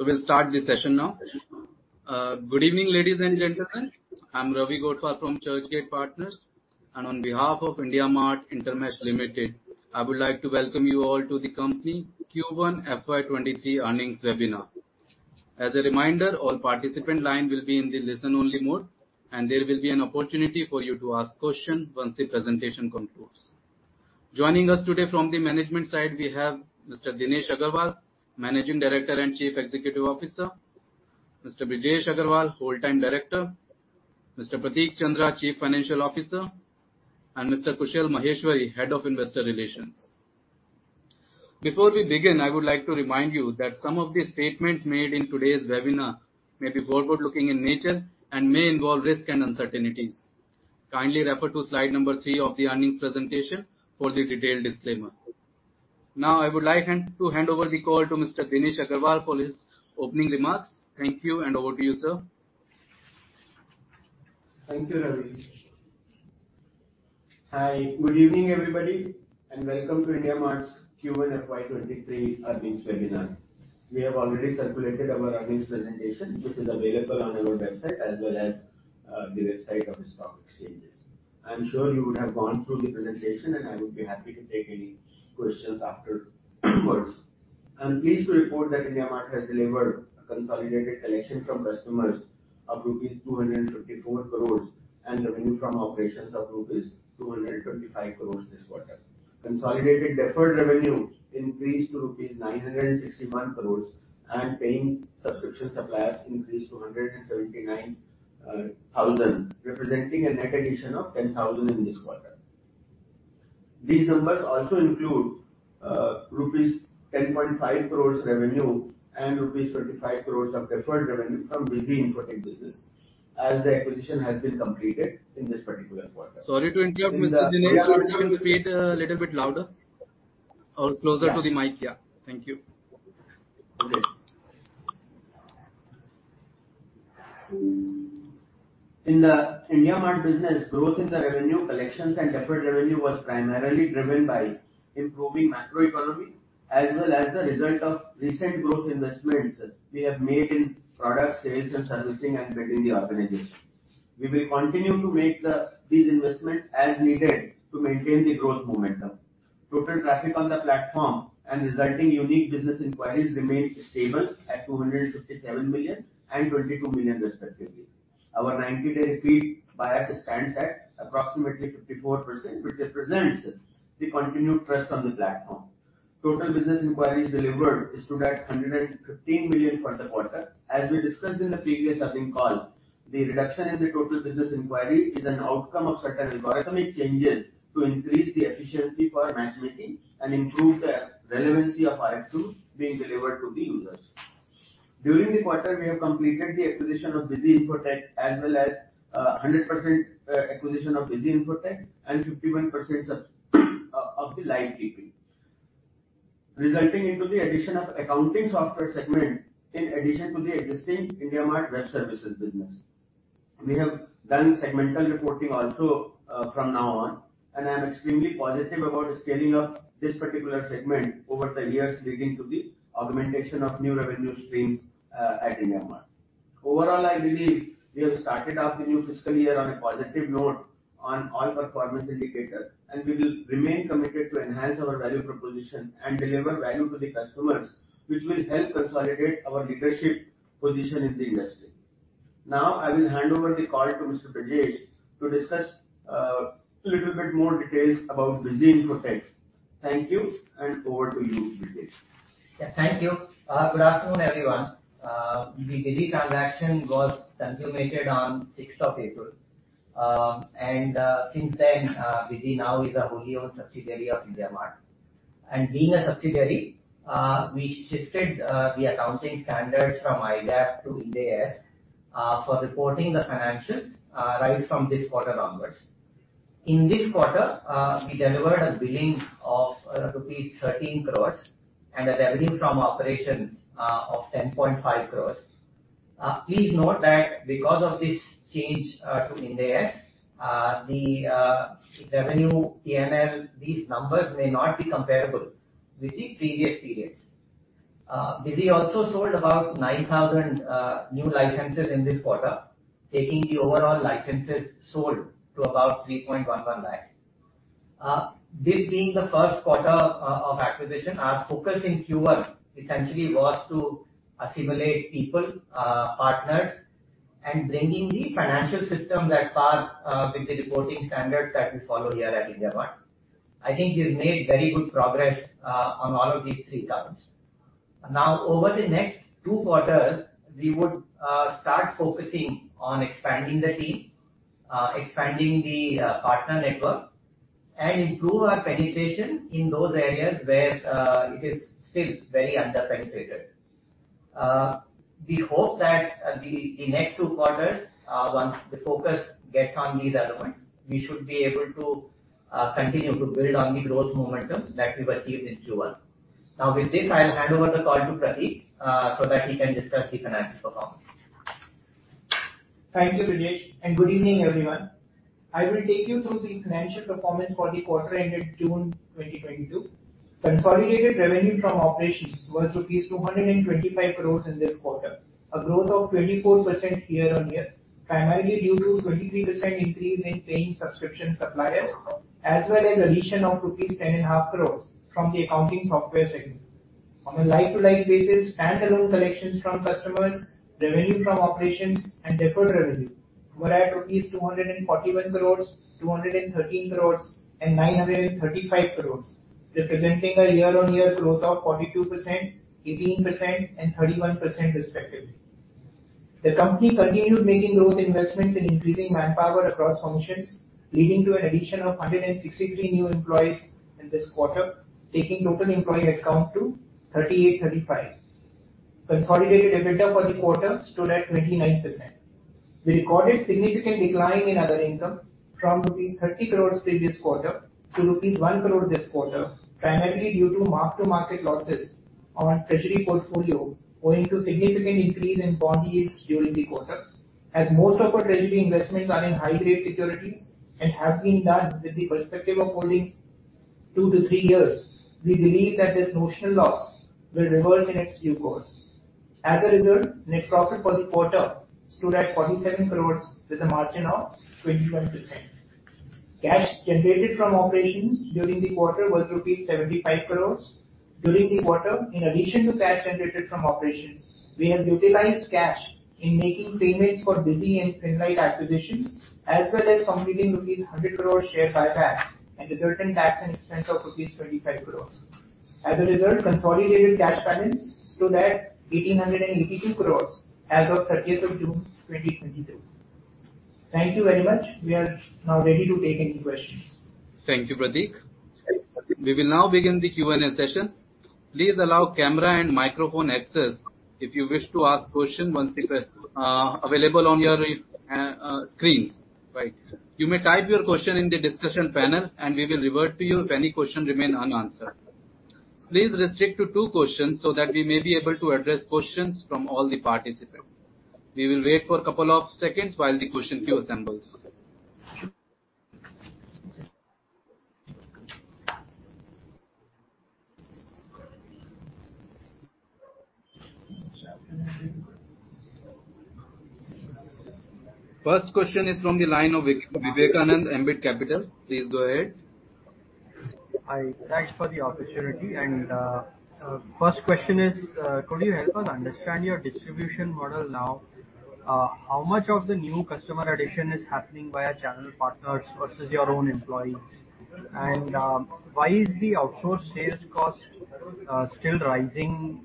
We'll start the session now. Good evening, ladies and gentlemen. I'm Ravi Gothwal from Churchgate Partners. On behalf of IndiaMART InterMESH Limited, I would like to welcome you all to the company Q1 FY 2023 earnings webinar. As a reminder, all participant line will be in the listen-only mode, and there will be an opportunity for you to ask question once the presentation concludes. Joining us today from the management side, we have Mr. Dinesh Agarwal, Managing Director and Chief Executive Officer, Mr. Brijesh Agrawal, Whole-time Director, Mr. Prateek Chandra, Chief Financial Officer, and Mr. Kushal Maheshwari, Head of Investor Relations. Before we begin, I would like to remind you that some of the statements made in today's webinar may be forward-looking in nature and may involve risk and uncertainties. Kindly refer to slide number three of the earnings presentation for the detailed disclaimer. Now I would like to hand over the call to Mr. Dinesh Agarwal for his opening remarks. Thank you, and over to you, sir. Thank you, Ravi. Hi, good evening, everybody, and welcome to IndiaMART's Q1 FY 2023 earnings webinar. We have already circulated our earnings presentation, which is available on our website as well as, the website of the stock exchanges. I'm sure you would have gone through the presentation, and I would be happy to take any questions afterwards. I'm pleased to report that IndiaMART has delivered a consolidated collection from customers of rupees 254 crore and revenue from operations of rupees 225 crore this quarter. Consolidated deferred revenue increased to rupees 961 crore, and paying subscription suppliers increased to 179,000, representing a net addition of 10,000 in this quarter. These numbers also include rupees 10.5 crores revenue and rupees 35 crores of deferred revenue from Busy Infotech business, as the acquisition has been completed in this particular quarter. Sorry to interrupt, Mr. Dinesh. Yeah. Can you speak a little bit louder or closer to the mic? Yeah. Thank you. Good. In the IndiaMART business, growth in the revenue collections and deferred revenue was primarily driven by improving macroeconomy as well as the result of recent growth investments we have made in product sales and servicing and building the organization. We will continue to make these investments as needed to maintain the growth momentum. Total traffic on the platform and resulting unique business inquiries remained stable at 257 million and 22 million respectively. Our 90 day repeat buyers stands at approximately 54%, which represents the continued trust on the platform. Total business inquiries delivered stood at 115 million for the quarter. As we discussed in the previous earnings call, the reduction in the total business inquiry is an outcome of certain algorithmic changes to increase the efficiency for match-making and improve the relevancy of our tools being delivered to the users. During the quarter, we have completed the acquisition of Busy Infotech, as well as 100% acquisition of Busy Infotech and 51% of LiveKeeping, resulting into the addition of accounting software segment in addition to the existing IndiaMART web services business. We have done segmental reporting also from now on, and I'm extremely positive about the scaling of this particular segment over the years leading to the augmentation of new revenue streams at IndiaMART. Overall, I believe we have started off the new fiscal year on a positive note on all performance indicators, and we will remain committed to enhance our value proposition and deliver value to the customers, which will help consolidate our leadership position in the industry. Now, I will hand over the call to Mr. Brijesh Agrawal to discuss little bit more details about Busy Infotech. Thank you, and over to you, Brijesh. Yeah, thank you. Good afternoon, everyone. The Busy transaction was consummated on sixth of April. Since then, Busy now is a wholly-owned subsidiary of IndiaMART. Being a subsidiary, we shifted the accounting standards from IndAS to IndAS for reporting the financials right from this quarter onwards. In this quarter, we delivered a billing of rupees 13 crore and a revenue from operations of 10.5 crore. Please note that because of this change to IndAS, the revenue P&L, these numbers may not be comparable with the previous periods. Busy also sold about 9,000 new licenses in this quarter, taking the overall licenses sold to about 3.11 lakh. This being the first quarter of acquisition, our focus in Q1 essentially was to assimilate people, partners, and bringing the financial system that pairs with the reporting standards that we follow here at IndiaMART. I think we've made very good progress on all of these three counts. Now, over the next two quarters, we would start focusing on expanding the team, expanding the partner network, and improve our penetration in those areas where it is still very under-penetrated. We hope that the next two quarters, once the focus gets on these elements, we should be able to continue to build on the growth momentum that we've achieved in Q1. Now, with this, I'll hand over the call to Prateek, so that he can discuss the financial performance. Thank you, Dinesh, and good evening, everyone. I will take you through the financial performance for the quarter ended June 2022. Consolidated revenue from operations was rupees 225 crores in this quarter, a growth of 24% year-on-year, primarily due to 23% increase in paying subscription suppliers as well as addition of rupees 10.5 crores from the accounting software segment. On a like-to-like basis, standalone collections from customers, revenue from operations and deferred revenue were at rupees 241 crores, 213 crores and 935 crores, representing a year-on-year growth of 42%, 18%, and 31% respectively. The company continued making growth investments in increasing manpower across functions, leading to an addition of 163 new employees in this quarter, taking total employee headcount to 3,835. Consolidated EBITDA for the quarter stood at 29%. We recorded significant decline in other income from rupees 30 crore previous quarter to rupees 1 crore this quarter, primarily due to mark-to-market losses on treasury portfolio owing to significant increase in bond yields during the quarter. As most of our treasury investments are in high-grade securities and have been done with the perspective of holding two-three years, we believe that this notional loss will reverse in due course. As a result, net profit for the quarter stood at 47 crore with a margin of 21%. Cash generated from operations during the quarter was rupees 75 crore. During the quarter, in addition to cash generated from operations, we have utilized cash in making payments for Bizongo and Finlite acquisitions as well as completing rupees 100 crore share buyback and a certain tax and expense of rupees 25 crores. As a result, consolidated cash balance stood at 1,882 crores as of 30th of June, 2022. Thank you very much. We are now ready to take any questions. Thank you, Prateek. We will now begin the Q&A session. Please allow camera and microphone access if you wish to ask question once the queue is available on your screen. Right. You may type your question in the discussion panel and we will revert to you if any question remain unanswered. Please restrict to two questions so that we may be able to address questions from all the participants. We will wait for a couple of seconds while the question queue assembles. First question is from the line of Vivek Kumar, Emkay Wealth Management. Please go ahead. Hi. Thanks for the opportunity. First question is, could you help us understand your distribution model now? How much of the new customer addition is happening via channel partners versus your own employees? Why is the outsource sales cost still rising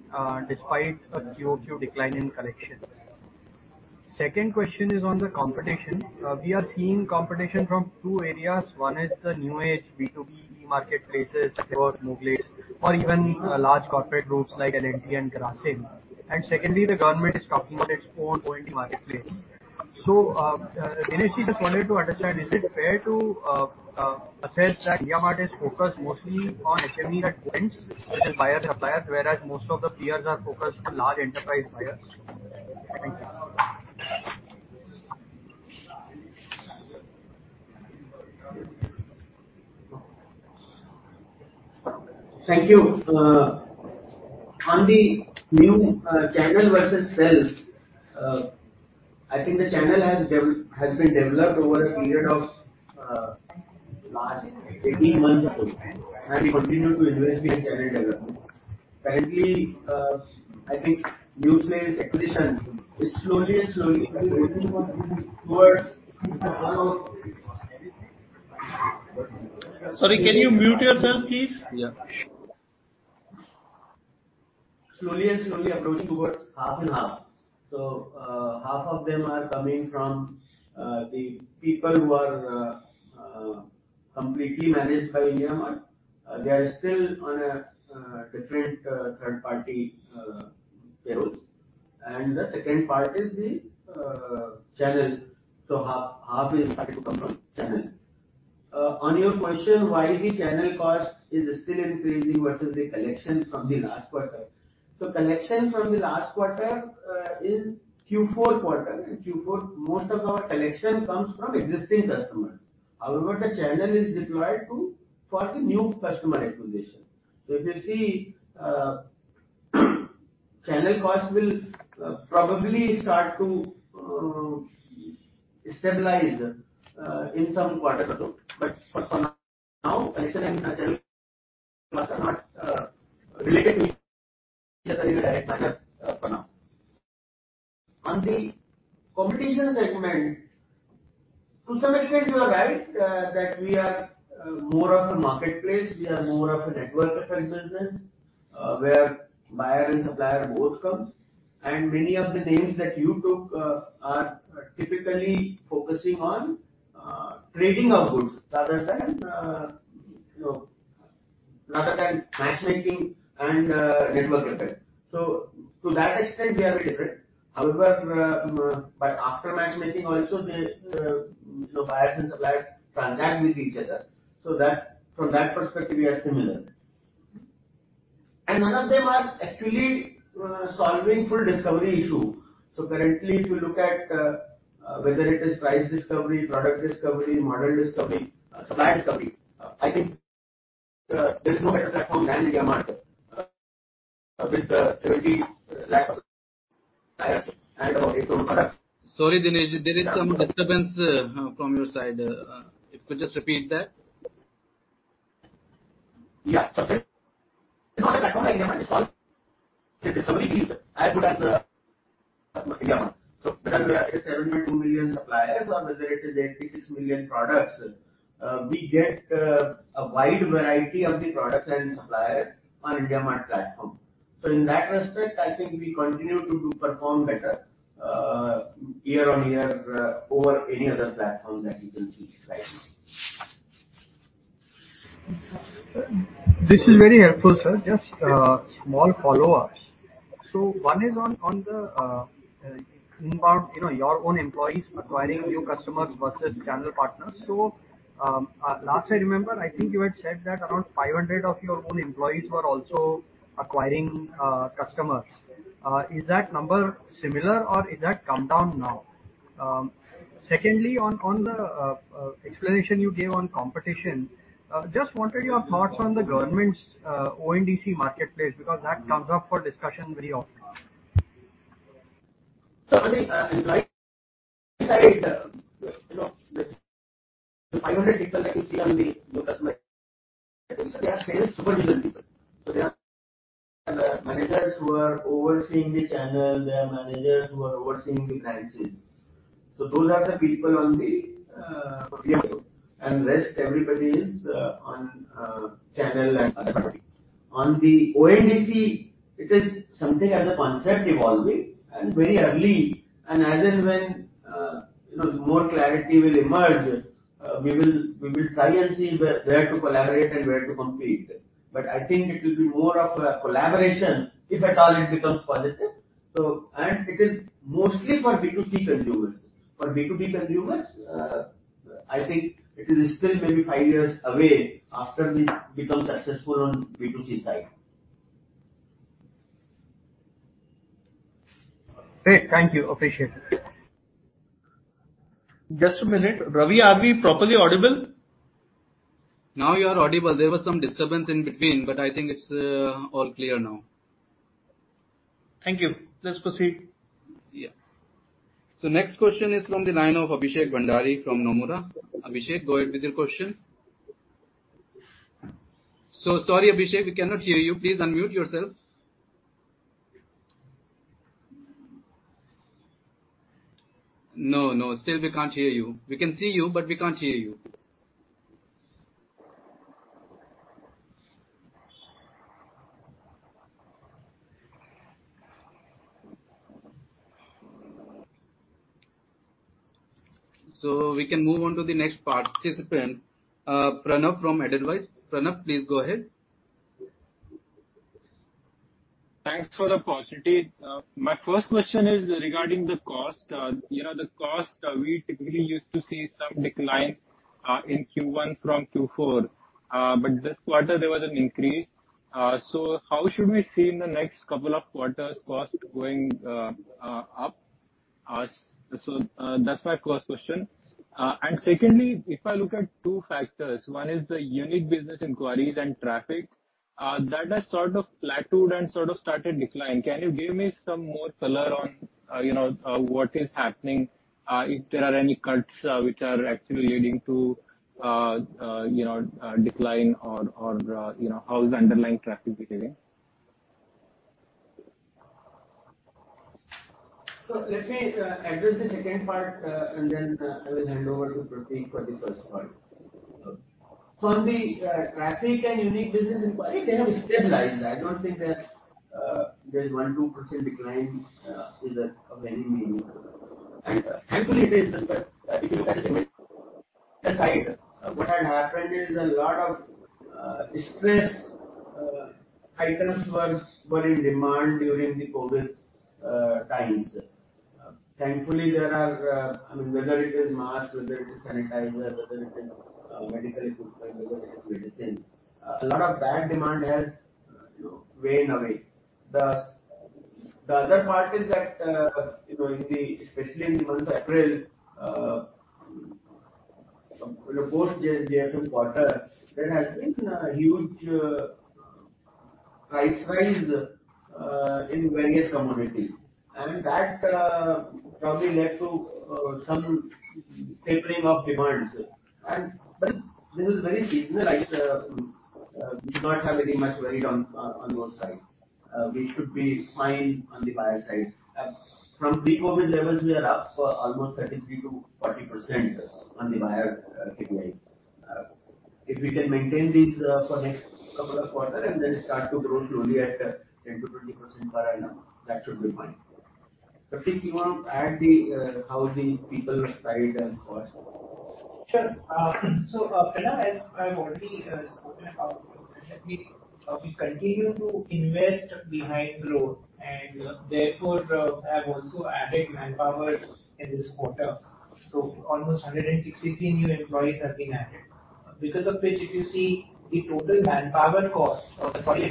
despite a QoQ decline in collections? Second question is on the competition. We are seeing competition from two areas. One is the new age B2B e-marketplaces like Moglix or even large corporate groups like L&T and Grasim. Secondly, the government is talking about its own ONDC marketplace. Dinesh, we just wanted to understand, is it fair to assess that IndiaMART is focused mostly on SME outreach, which is buyer-suppliers, whereas most of the peers are focused on large enterprise buyers? Thank you. Thank you. On the new channel versus sales, I think the channel has been developed over a period of last 18 months or so, and we continue to invest in channel development. Currently, I think new sales acquisition is slowly approaching towards Sorry, can you mute yourself, please? Yeah. Slowly approaching towards half and half. Half of them are coming from the people who are completely managed by IndiaMART. They are still on a different third-party payroll. The second part is the channel. Half is starting to come from channel. On your question, why the channel cost is still increasing versus the collection from the last quarter. Collection from the last quarter is Q4 quarter. In Q4, most of our collection comes from existing customers. However, the channel is deployed for the new customer acquisition. If you see, channel cost will probably start to stabilize in some quarter or so. But for now, collection and channel costs are not related for now. On the competition segment, to some extent you are right that we are more of a marketplace, we are more of a network effects business where buyer and supplier both come. Many of the names that you took are typically focusing on trading of goods rather than you know rather than matchmaking and network effect. To that extent, we are different. However, but after matchmaking also the you know buyers and suppliers transact with each other. From that perspective, we are similar. None of them are actually solving full discovery issue. Currently, if you look at whether it is price discovery, product discovery, model discovery, supply discovery, I think there is no better platform than IndiaMART with the 70 lakhs of suppliers and about 8 million products. Sorry, Dinesh. There is some disturbance from your side. If you could just repeat that. Yeah, perfect. Discovery piece, I would answer IndiaMART. Whether it is 72 million suppliers or whether it is 86 million products, we get a wide variety of the products and suppliers on IndiaMART platform. In that respect, I think we continue to perform better year-on-year over any other platform that you can see right now. This is very helpful, sir. Just a small follow-up. One is about you know your own employees acquiring new customers versus channel partners. Last I remember, I think you had said that around 500 of your own employees were also acquiring customers. Is that number similar or is that come down now? Secondly, the explanation you gave on competition, just wanted your thoughts on the government's ONDC marketplace, because that comes up for discussion very often. I mean, like I said, you know, the 500 people that you see on the customer, they are sales supervisor people. They are managers who are overseeing the channel. They are managers who are overseeing the branches. Those are the people on the payroll, and rest everybody is on channel and other party. On the ONDC, it is something as a concept evolving and very early. As and when, you know, more clarity will emerge, we will try and see where to collaborate and where to compete. I think it will be more of a collaboration if at all it becomes positive. It is mostly for B2C consumers. For B2B consumers, I think it is still maybe five years away after we become successful on B2C side. Great. Thank you. Appreciate it. Just a minute. Ravi, are we properly audible? Now you are audible. There was some disturbance in between, but I think it's all clear now. Thank you. Let's proceed. Yeah. Next question is from the line of Abhishek Bhandari from Nomura. Abhishek, go ahead with your question. Sorry, Abhishek, we cannot hear you. Please unmute yourself. No, no, still we can't hear you. We can see you, but we can't hear you. We can move on to the next participant. Pranav from Edelweiss. Pranav, please go ahead. Thanks for the opportunity. My first question is regarding the cost. You know the cost, we typically used to see some decline in Q1 from Q4. This quarter there was an increase. How should we see in the next couple of quarters cost going up? That's my first question. Secondly, if I look at two factors, one is the unique business inquiries and traffic that has sort of plateaued and sort of started decline. Can you give me some more color on, you know, what is happening, if there are any cuts which are actually leading to, you know, decline or, you know, how is the underlying traffic behaving? Let me address the second part, and then I will hand over to Prateek for the first part. On the traffic and unique business inquiry, they have stabilized. I don't think that there's a 1%-2% decline is of any meaning. Thankfully it is the case because that is what had happened, a lot of distress items were in demand during the COVID times. Thankfully, I mean, whether it is mask, whether it is sanitizer, whether it is medical equipment, whether it is medicine, a lot of that demand has, you know, waned away. The other part is that, you know, in, especially in the month of April, post January quarter, there has been a huge price rise in various commodities. That probably led to some tapering of demands. This is very seasonal. We do not have any much worry on those sides. We should be fine on the buyer side. From pre-COVID levels, we are up for almost 33%-40% on the buyer KPIs. If we can maintain this for next couple of quarter and then start to grow slowly at 10%-20% per annum, that should be fine. Prateek, you want to add how the people side and cost? Sure. Pranav, as I've already spoken about, we continue to invest behind growth. Therefore, have also added manpower in this quarter. Almost 163 new employees have been added. Because of which if you see the total manpower cost was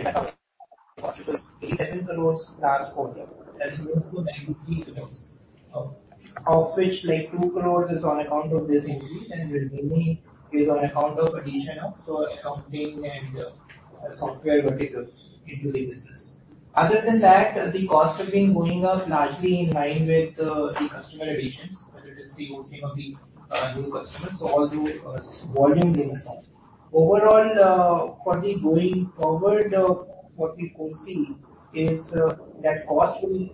87 crores last quarter. That's moved to INR 93 crores. Of which like 2 crores is on account of this increase, and the remaining is on account of addition of accounting and software verticals into the business. Other than that, the costs have been going up largely in line with the customer additions, whether it is the hosting of the new customers. All the volume Sorry to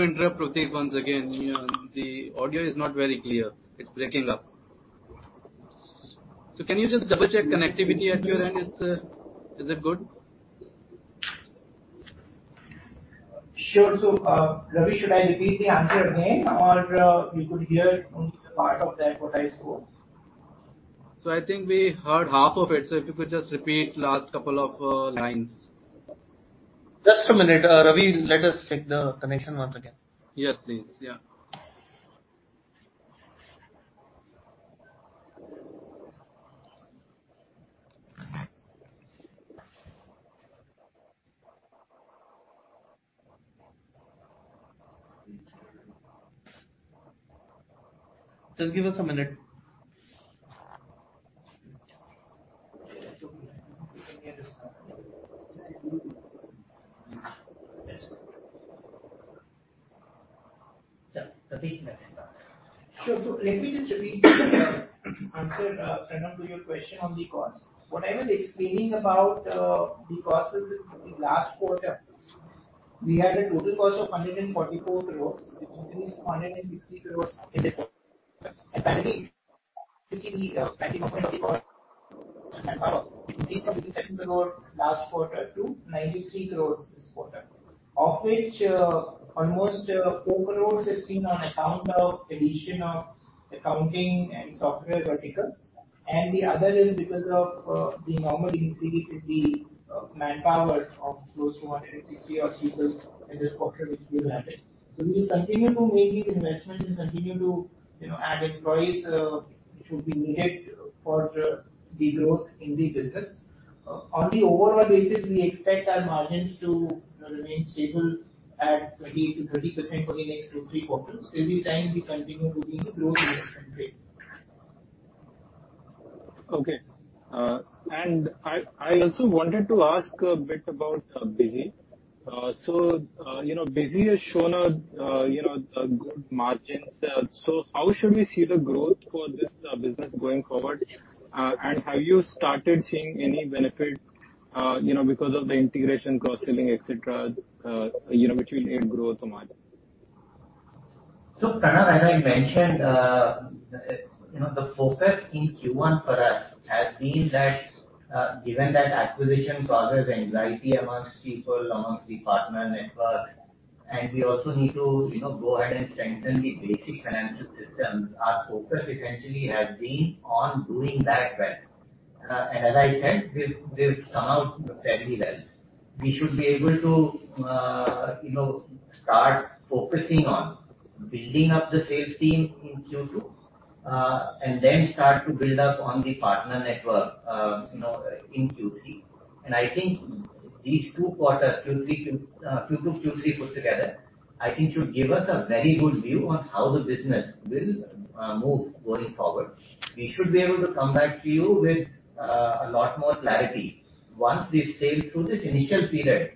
interrupt, Prateek, once again. The audio is not very clear. It's breaking up. Can you just double-check connectivity at your end? It's. Is it good? Sure. Ravi, should I repeat the answer again or you could hear only the part of that what I spoke? I think we heard half of it, so if you could just repeat last couple of lines. Just a minute, Ravi. Let us check the connection once again. Yes, please. Yeah. Just give us a minute. Sure. Let me just repeat the answer, Pranav, to your question on the cost. What I was explaining about the cost is that in last quarter we had a total cost of 144 crore, which increased to 160 crore in this quarter. That again, you see the operating cost increased from INR 87 crore last quarter to INR 93 crore this quarter. Of which, almost four crore has been on account of addition of accounting and software vertical. And the other is because of the normal increase in the manpower of close to 160-odd people in this quarter which we have added. We will continue to make these investments and continue to, you know, add employees, which will be needed for the growth in the business. On the overall basis, we expect our margins to remain stable at 20%-30% for the next two-three quarters. Every time we continue to be in a growth investment phase. Okay. I also wanted to ask a bit about Bizongo. Bizongo has shown a good margin. How should we see the growth for this business going forward? Have you started seeing any benefit because of the integration, cross-selling, et cetera, in growth or margin? Pranav, as I mentioned, you know, the focus in Q1 for us has been that, given that acquisition causes anxiety among people, among the partner network, and we also need to, you know, go ahead and strengthen the basic financial systems. Our focus essentially has been on doing that well. As I said, we've somehow fairly well. We should be able to, you know, start focusing on building up the sales team in Q2, and then start to build up on the partner network, you know, in Q3. I think these two quarters, Q2, Q3 put together I think should give us a very good view on how the business will move going forward. We should be able to come back to you with a lot more clarity once we sail through this initial period,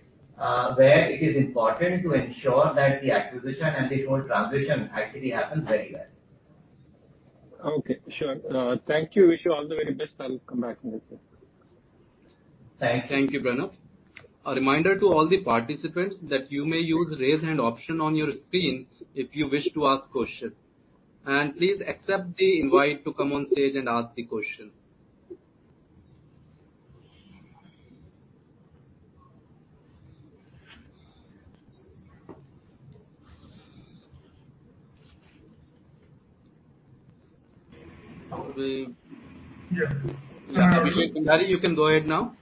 where it is important to ensure that the acquisition and this whole transition actually happens very well. Okay, sure. Thank you. Wish you all the very best. I'll come back in the future. Thanks. Thank you, Pranav. A reminder to all the participants that you may use raise hand option on your screen if you wish to ask question. Please accept the invite to come on stage and ask the question. Abhishek Bhandari, you can go ahead now.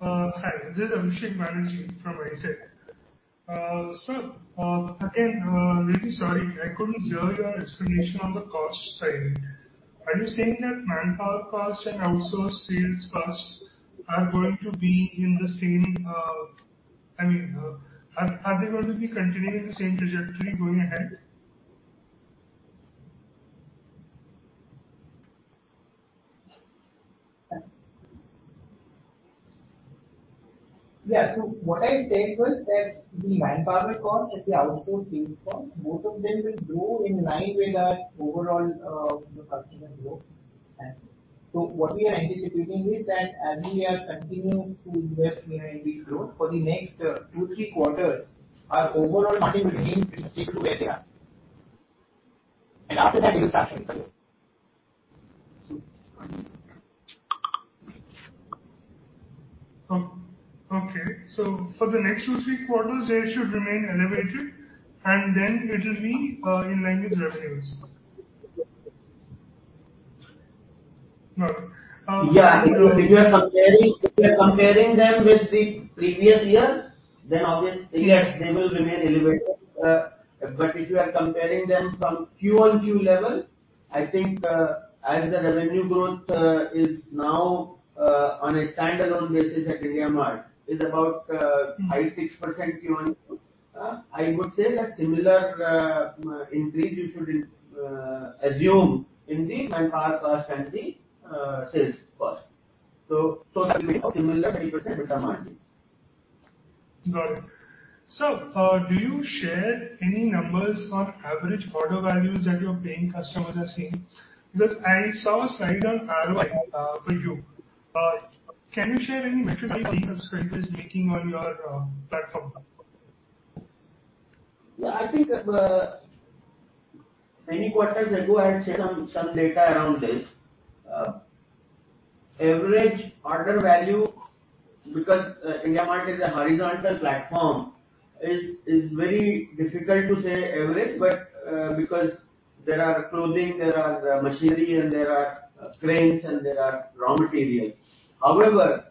Hi. This is Abhishek Bhandari from Nomura. Sir, again, really sorry I couldn't hear your explanation on the cost side. Are you saying that manpower cost and outsourced sales cost are going to be in the same? I mean, are they going to be continuing the same trajectory going ahead? Yeah. What I said was that the manpower cost and the outsource sales cost, both of them will grow in line with our overall, you know, customer growth. What we are anticipating is that as we are continuing to invest in our NB's growth for the next two-three quarters, our overall margin will remain pretty stable where they are. After that it will start improving. Okay. For the next two, three quarters, they should remain elevated, and then it'll be in line with revenues. Got it. Yeah. If you are comparing them with the previous year, then obviously. Yes They will remain elevated. If you are comparing them from QoQ level, I think, as the revenue growth is now on a standalone basis at IndiaMART is about high 6% QoQ. I would say that similar increase you should assume in the manpower cost and the sales cost. That will be similar 30% margin. Got it. Do you share any numbers on average order values that your paying customers are seeing? Because I saw a slide on ROI for you. Can you share any metric that paying subscriber is making on your platform? Yeah, I think many quarters ago I had shared some data around this. Average order value, because IndiaMART is a horizontal platform, is very difficult to say average, but because there are clothing, there are machinery, and there are cranes, and there are raw materials. However,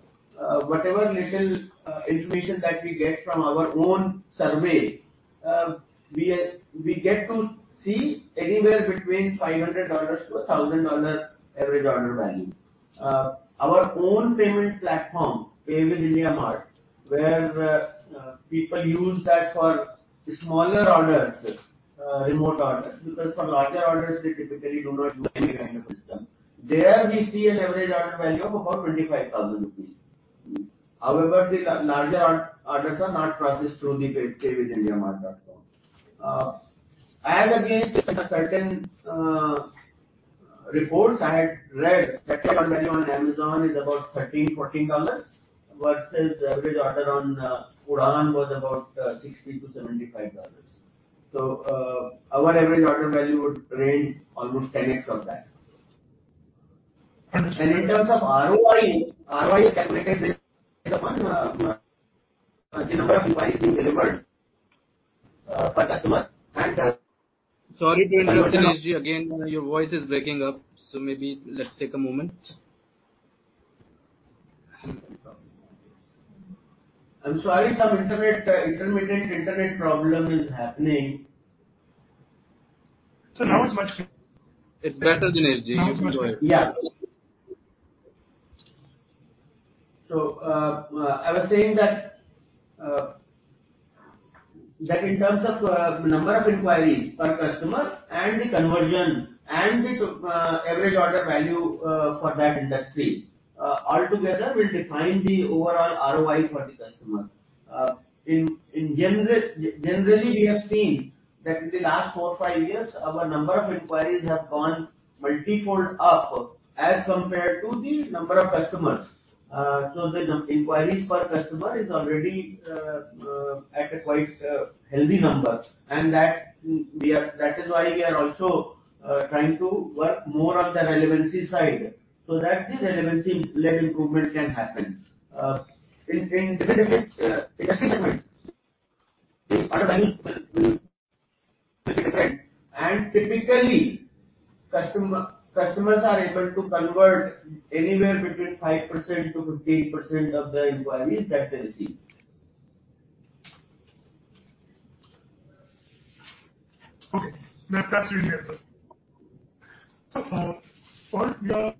whatever little information that we get from our own survey, we get to see anywhere between $500-$1,000 average order value. Our own payment platform, Pay with IndiaMART, where people use that for smaller orders, remote orders, because for larger orders, they typically do not use any kind of system. There we see an average order value of about 25,000 rupees. However, the larger orders are not processed through the Pay with IndiaMART.com. As against certain reports I had read that the order value on Amazon is about $13-$14, versus average order on Udaan was about $60-$75. Our average order value would range almost 10x of that. Understood. In terms of ROI is calculated based upon the number of inquiries being delivered per customer and Sorry to interrupt, Dinesh. Again, your voice is breaking up, so maybe let's take a moment. I'm sorry, some internet, intermittent internet problem is happening. Now it's much better. It's better, Dinesh. You can go ahead. I was saying that in terms of number of inquiries per customer and the conversion and the average order value for that industry altogether will define the overall ROI for the customer. Generally, we have seen that in the last four-five years, our number of inquiries have gone multifold up as compared to the number of customers. Inquiries per customer is already at a quite healthy number, and that is why we are also trying to work more on the relevancy side, so that the relevancy-led improvement can happen. In different industry segments, order value will be different, and typically, customers are able to convert anywhere between 5%-15% of the inquiries that they receive. That's really helpful. For your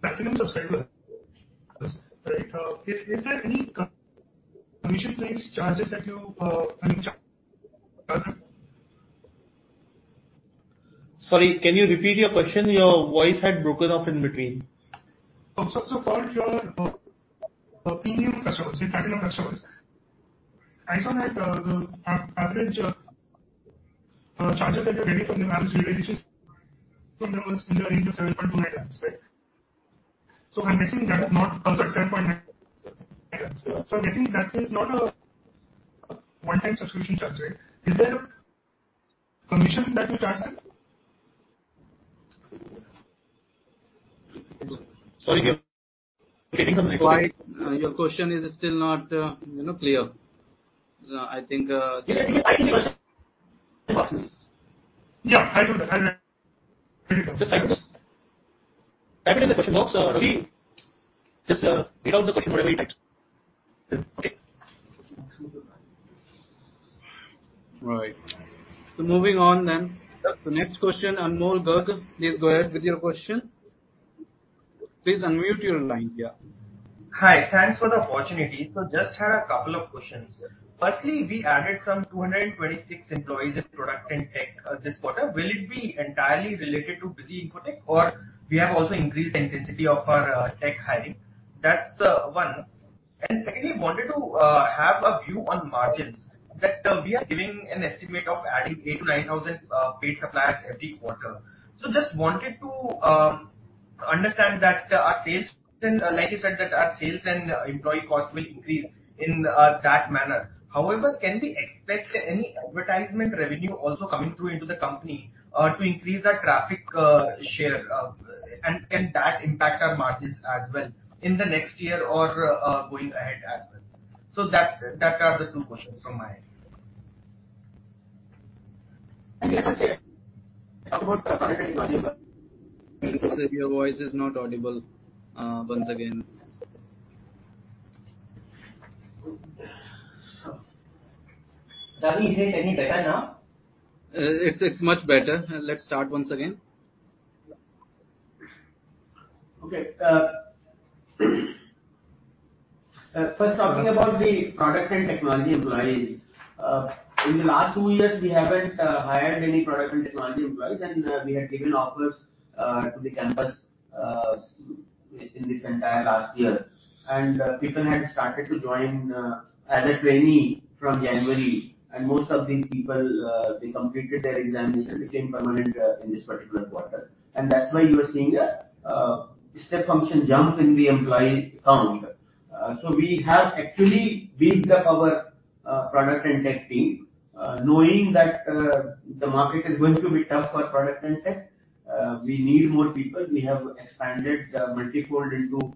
Platinum subscriber, right, is there any commission-based charges that you any charge? Sorry, can you repeat your question? Your voice had broken off in between. For your premium customers, the Platinum customers, I saw that the average charges that you're getting from them as a realization from them was in the range of 7.28%. I'm guessing that is not a one-time subscription charge, right? Oh, sorry, 7.9%. I'm guessing that is not a one-time subscription charge, right? Is there a commission that you charge them? Sorry, your- Getting on the call. Why, your question is still not, you know, clear. I think, Can I read the question? Yeah. I'll do that. I'll read the question. Just type it. Type it in the question box. We just read out the question whatever you typed. Okay. All right. Moving on then. The next question, Anmol Garg, please go ahead with your question. Please unmute your line. Yeah. Hi. Thanks for the opportunity. Just had a couple of questions. Firstly, we added some 226 employees in product and tech this quarter. Will it be entirely related to Busy Infotech, or we have also increased the intensity of our tech hiring? That's one. Secondly, wanted to have a view on margins, that we are giving an estimate of adding 8,000-9,000 paid suppliers every quarter. Just wanted to understand that our sales then, like you said, that our sales and employee cost will increase in that manner. However, can we expect any advertisement revenue also coming through into the company to increase our traffic share? And can that impact our margins as well in the next year or going ahead as well? That are the two questions from my end. Let us hear about the product and technology employees. Sir, your voice is not audible, once again. Sir, is it any better now? It's much better. Let's start once again. Okay. First talking about the product and technology employees. In the last two years, we haven't hired any product and technology employees, and we had given offers to the campus in this entire last year. People had started to join as a trainee from January. Most of these people they completed their examinations and became permanent in this particular quarter. That's why you are seeing a step function jump in the employee count. We have actually built up our product and tech team knowing that the market is going to be tough for product and tech. We need more people. We have expanded multifold into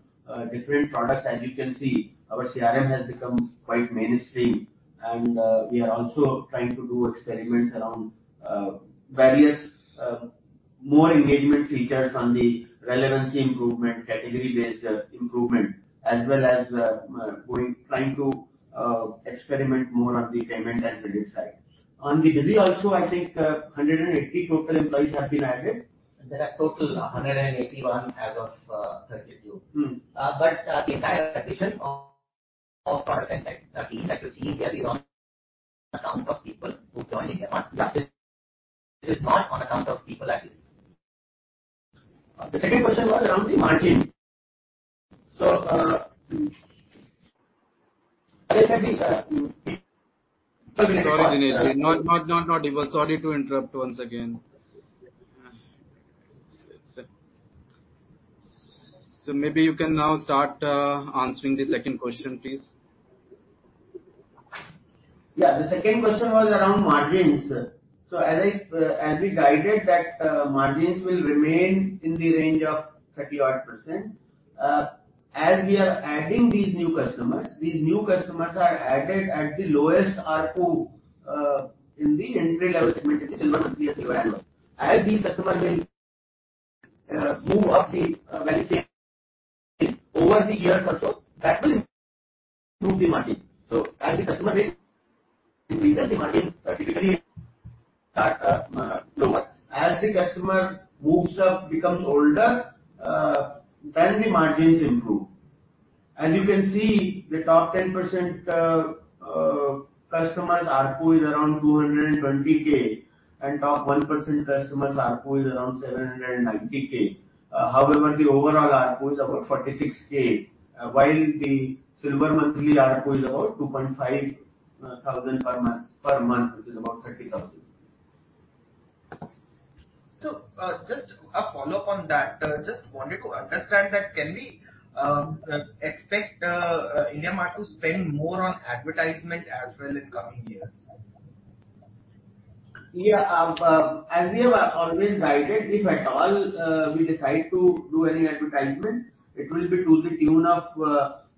different products. As you can see, our CRM has become quite mainstream, and we are also trying to do experiments around various more engagement features on the relevancy improvement, category-based improvement, as well as trying to experiment more on the payment and billing side. On the BizE also, I think, 180 total employees have been added. There are total 181 as of 32. Mm-hmm. The entire addition of product and tech team that you see here is on account of people who've joined IndiaMART. This is not on account of people at Busy. The second question was around the margin. Sorry, Dinesh. Not you. Sorry to interrupt once again. So maybe you can now start answering the second question, please. Yeah. The second question was around margins. As we guided that, margins will remain in the range of 30-odd%, as we are adding these new customers. These new customers are added at the lowest ARPU in the entry-level segment in Silver annual. As these customers will move up the value chain over the years or so, that will improve the margin. As the customer base increases, the margin particularly start lower. As the customer moves up, becomes older, then the margins improve. As you can see, the top 10% customers' ARPU is around 220,000, and top 1% customers' ARPU is around 790,000. However, the overall ARPU is about 46,000, while the Silver monthly ARPU is about 2,500 per month, which is about 30,000. Just a follow-up on that. Just wanted to understand that can we expect IndiaMART to spend more on advertisement as well in coming years? Yeah. As we have always guided, if at all, we decide to do any advertisement, it will be to the tune of,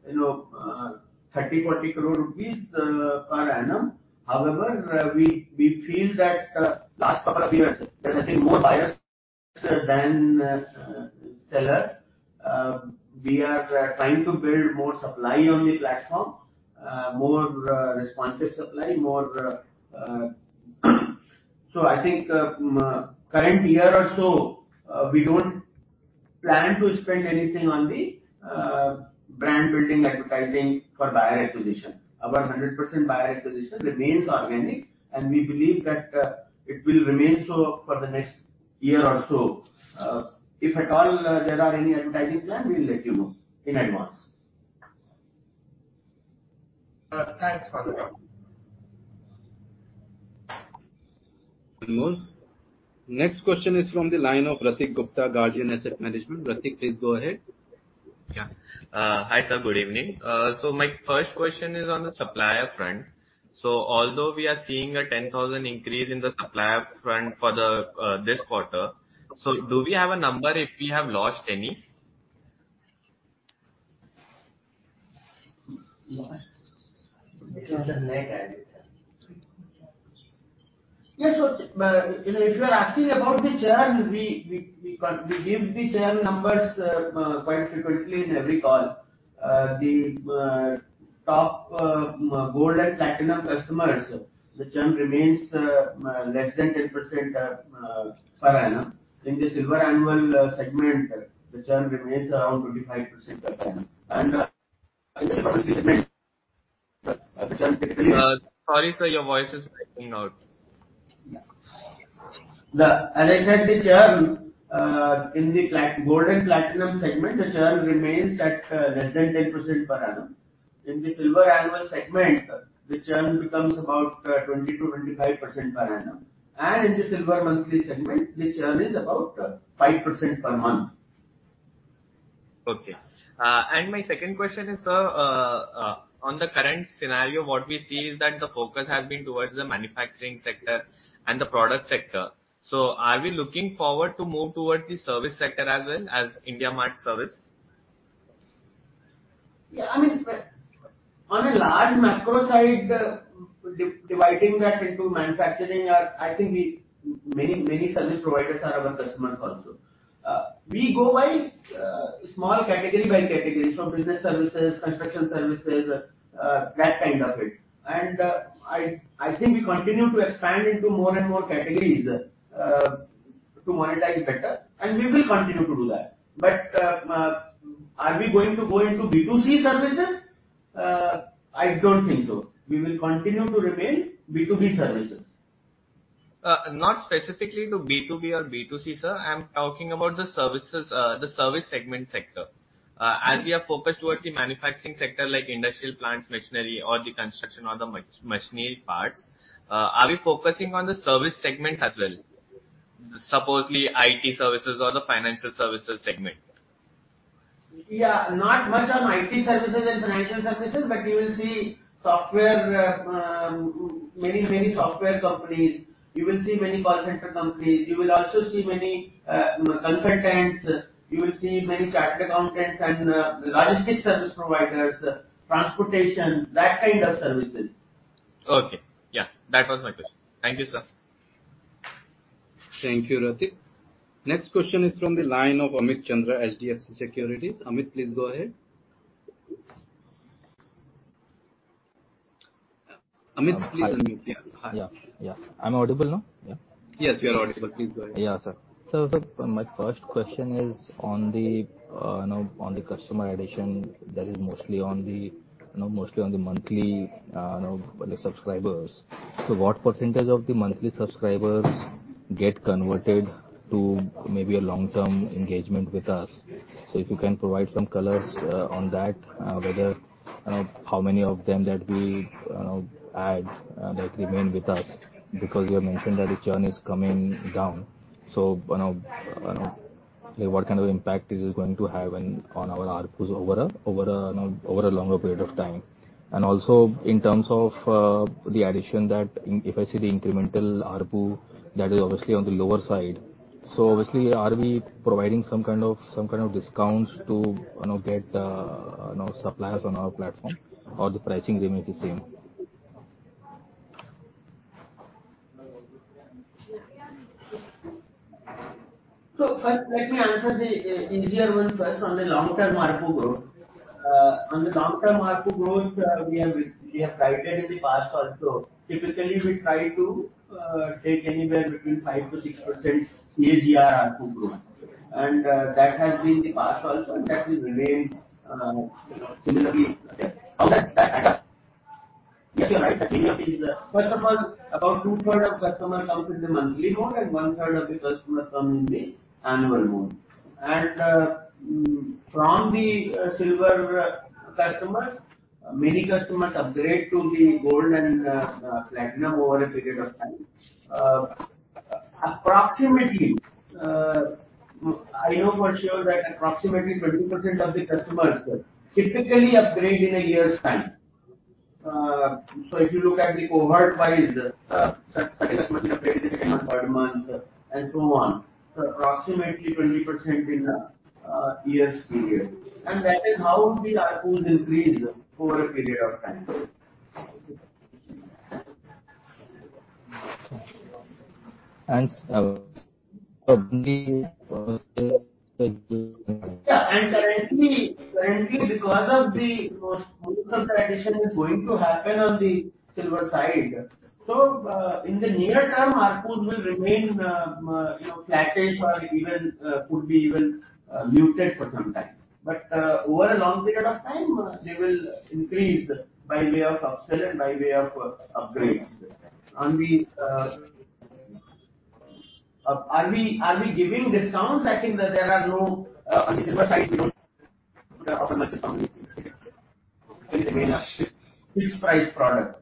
you know, 30 crore-40 crore rupees per annum. However, we feel that, last couple of years there's, I think, more buyers than sellers. We are trying to build more supply on the platform. I think, current year or so, we don't plan to spend anything on the brand-building advertising for buyer acquisition. Our 100% buyer acquisition remains organic, and we believe that, it will remain so for the next year or so. If at all, there are any advertising plan, we'll let you know in advance. Thanks for that. Anmol, next question is from the line of Ratik Gupta, Guardian Asset Management. Ratik, please go ahead. Yeah. Hi, sir. Good evening. My first question is on the supplier front. Although we are seeing a 10,000 increase in the supplier front for this quarter, do we have a number if we have lost any? Lost? Which one? Net or gross? Yes. You know, if you are asking about the churn, we give the churn numbers quite frequently in every call. The top Gold and Platinum customers, the churn remains less than 10% per annum. In the Silver annual segment, the churn remains around 25% per annum. In the- Sorry, sir, your voice is breaking up. As I said, the churn in the gold and platinum segment, the churn remains at less than 10% per annum. In the Silver annual segment, the churn becomes about 20%-25% per annum. In the Silver monthly segment, the churn is about 5% per month. Okay. My second question is, sir, on the current scenario, what we see is that the focus has been towards the manufacturing sector and the product sector. Are we looking forward to move towards the service sector as well as IndiaMART service? Yeah, I mean, on a large macro side, dividing that into manufacturing, I think many, many service providers are our customers also. We go by small category by category. So business services, construction services, that kind of it. I think we continue to expand into more and more categories to monetize better, and we will continue to do that. Are we going to go into B2C services? I don't think so. We will continue to remain B2B services. Not specifically to B2B or B2C, sir. I'm talking about the services, the service segment sector. As we are focused towards the manufacturing sector like industrial plants machinery or the construction or the machinery parts, are we focusing on the service segment as well? Supposedly IT services or the financial services segment. Yeah. Not much on IT services and financial services, but you will see software, many software companies. You will see many call center companies. You will also see many consultants. You will see many chartered accountants and logistics service providers, transportation, that kind of services. Okay. Yeah. That was my question. Thank you, sir. Thank you, Ratik. Next question is from the line of Amit Chandra, HDFC Securities. Amit, please go ahead. Amit, please unmute. Yeah. Hi. Yeah. Yeah. I'm audible now? Yeah. Yes, you are audible. Please go ahead. Yeah, sir. My first question is on the, you know, on the customer addition that is mostly on the, you know, mostly on the monthly, you know, the subscribers. What percentage of the monthly subscribers get converted to maybe a long-term engagement with us? If you can provide some colors on that, whether, you know, how many of them that we add that remain with us, because you have mentioned that the churn is coming down. You know, what kind of impact is this going to have on our ARPU over a longer period of time? And also in terms of the addition that if I see the incremental ARPU, that is obviously on the lower side. Obviously, are we providing some kind of discounts to, you know, get suppliers on our platform or the pricing remains the same? First let me answer the easier one first on the long-term ARPU growth. On the long-term ARPU growth, we have guided in the past also. Typically, we try to take anywhere between 5%-6% CAGR ARPU growth. That has been the past also, and that will remain, you know, similarly. Yes, you're right. First of all, about two-thirds of customers come in the monthly mode and one-third of the customers come in the annual mode. From the Silver customers, many customers upgrade to the Gold and Platinum over a period of time. Approximately, I know for sure that approximately 20% of the customers typically upgrade in a year's time. If you look at the cohort wise, some customers upgrade in six month, 12 month, and so on. Approximately 20% in a year's period. That is how the ARPUs increase over a period of time. Probably Yeah. Currently, because the monetization is going to happen on the Silver side. In the near term, ARPUs will remain, you know, flattish or even could be muted for some time. Over a long period of time, they will increase by way of upsell and by way of upgrades. Are we giving discounts? I think that there are no on the Silver side. We have fixed price product.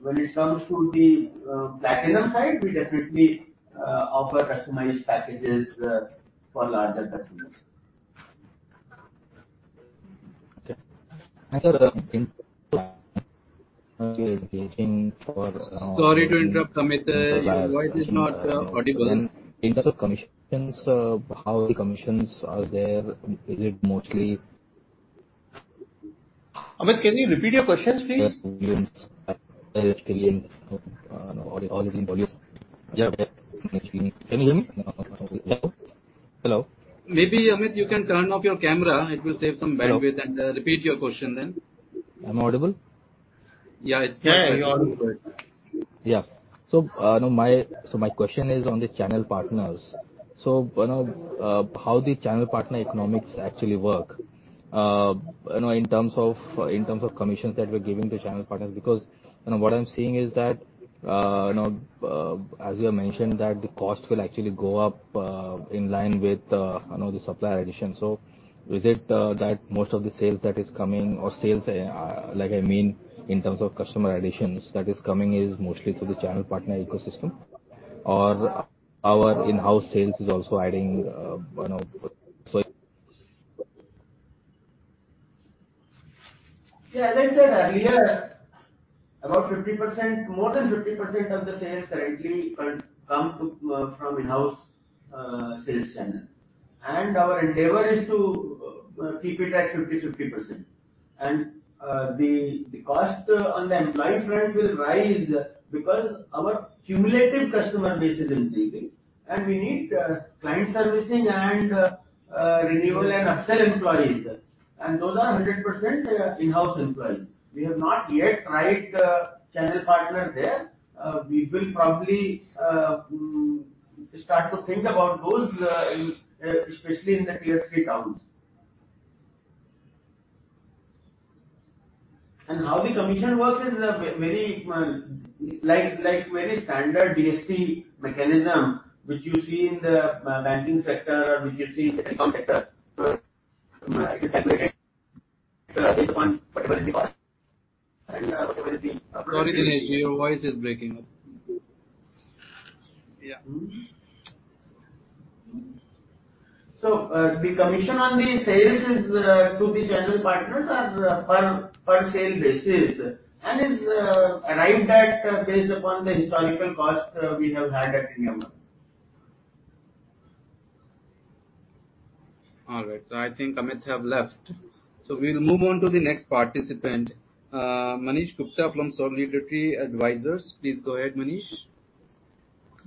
When it comes to the Platinum side, we definitely offer customized packages for larger customers. Okay. Sir Sorry to interrupt, Amit. Your voice is not audible. In terms of commissions, how the commissions are there, is it mostly? Amit, can you repeat your questions, please? Can you hear me? Hello? Hello? Maybe, Amit, you can turn off your camera. It will save some bandwidth. Repeat your question then. Am I audible? Yeah. Yeah, you're audible. My question is on the channel partners. You know how the channel partner economics actually work, you know, in terms of commissions that we're giving the channel partners, because you know what I'm seeing is that you know as you have mentioned that the cost will actually go up in line with you know the supplier addition. Is it that most of the sales that is coming or sales like I mean in terms of customer additions that is coming is mostly through the channel partner ecosystem? Or our in-house sales is also adding you know Yeah, as I said earlier, about 50%, more than 50% of the sales currently come from in-house sales channel. Our endeavor is to keep it at 50/50%. The cost on the employee front will rise because our cumulative customer base is increasing, and we need client servicing and renewal and upsell employees. Those are 100% in-house employees. We have not yet tried a channel partner there. We will probably start to think about those, especially in the Tier 3 towns. How the commission works is very like many standard DSP mechanism which you see in the banking sector or which you see in telecom sector. Sorry, Dinesh, your voice is breaking up. The commission on the sales is to the channel partners are per sale basis and is arrived at based upon the historical cost we have had at IndiaMART. All right. I think Amit have left. We'll move on to the next participant. Manish Gupta from Solidarity Advisors. Please go ahead, Manish.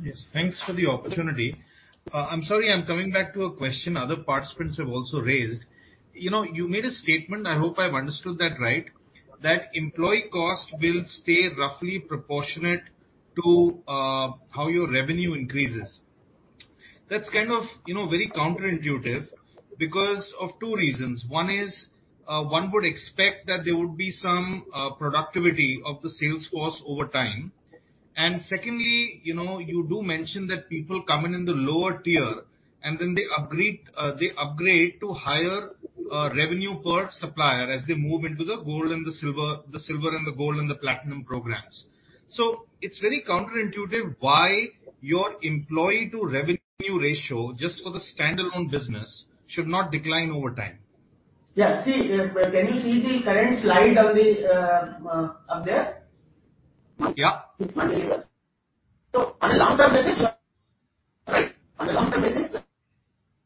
Yes. Thanks for the opportunity. I'm sorry, I'm coming back to a question other participants have also raised. You know, you made a statement, I hope I've understood that right, that employee cost will stay roughly proportionate to how your revenue increases. That's kind of, you know, very counterintuitive because of two reasons. One is, one would expect that there would be some productivity of the sales force over time. And secondly, you know, you do mention that people come in the lower tier and then they upgrade to higher revenue per supplier as they move into the Gold and the Silver and the Platinum programs. It's very counterintuitive why your employee to revenue ratio, just for the standalone business, should not decline over time. Yeah. See, can you see the current slide on the up there? Yeah. On a long-term basis.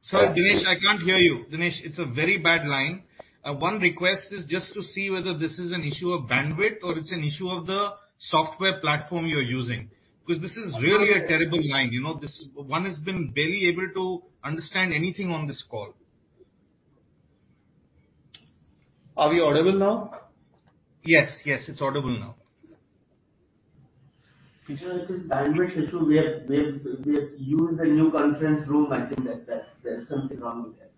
Sorry, Dinesh, I can't hear you. Dinesh, it's a very bad line. One request is just to see whether this is an issue of bandwidth or it's an issue of the software platform you're using. 'Cause this is really a terrible line. You know, this one has been barely able to understand anything on this call. Are we audible now? Yes. Yes, it's audible now. It's a bandwidth issue. We have used a new conference room. I think that there's something wrong with that.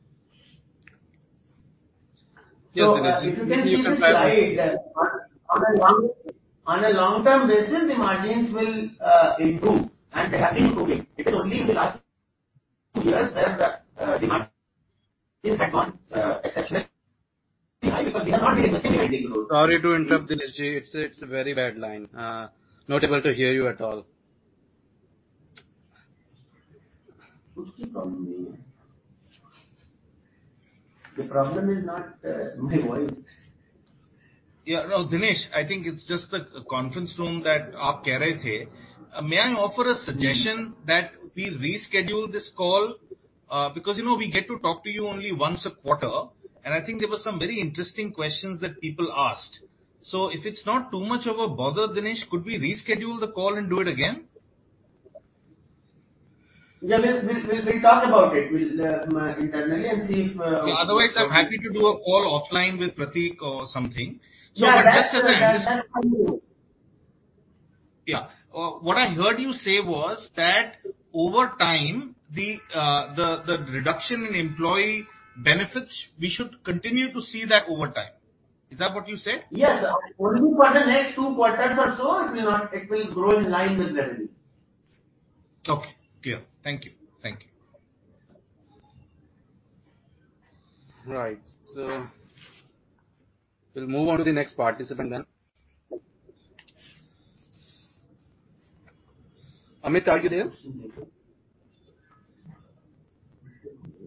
Yeah. If you can see the slide, on a long-term basis, the margins will improve, and they have been improving. It is only in the last two years where the margin is at one exception. Sorry to interrupt, Dinesh. It's a very bad line. Not able to hear you at all. The problem is not my voice. Yeah. No, Dinesh, I think it's just the conference room that Yeah. We'll talk about it internally and see if Yeah. Otherwise, I'm happy to do a call offline with Prateek or something. Yeah. That's for you. Yeah. What I heard you say was that over time, the reduction in employee benefits, we should continue to see that over time. Is that what you said? Yes. Only for the next two quarters or so it will grow in line with revenue. Okay. Clear. Thank you. Thank you. Right. We'll move on to the next participant then. Amit, are you there?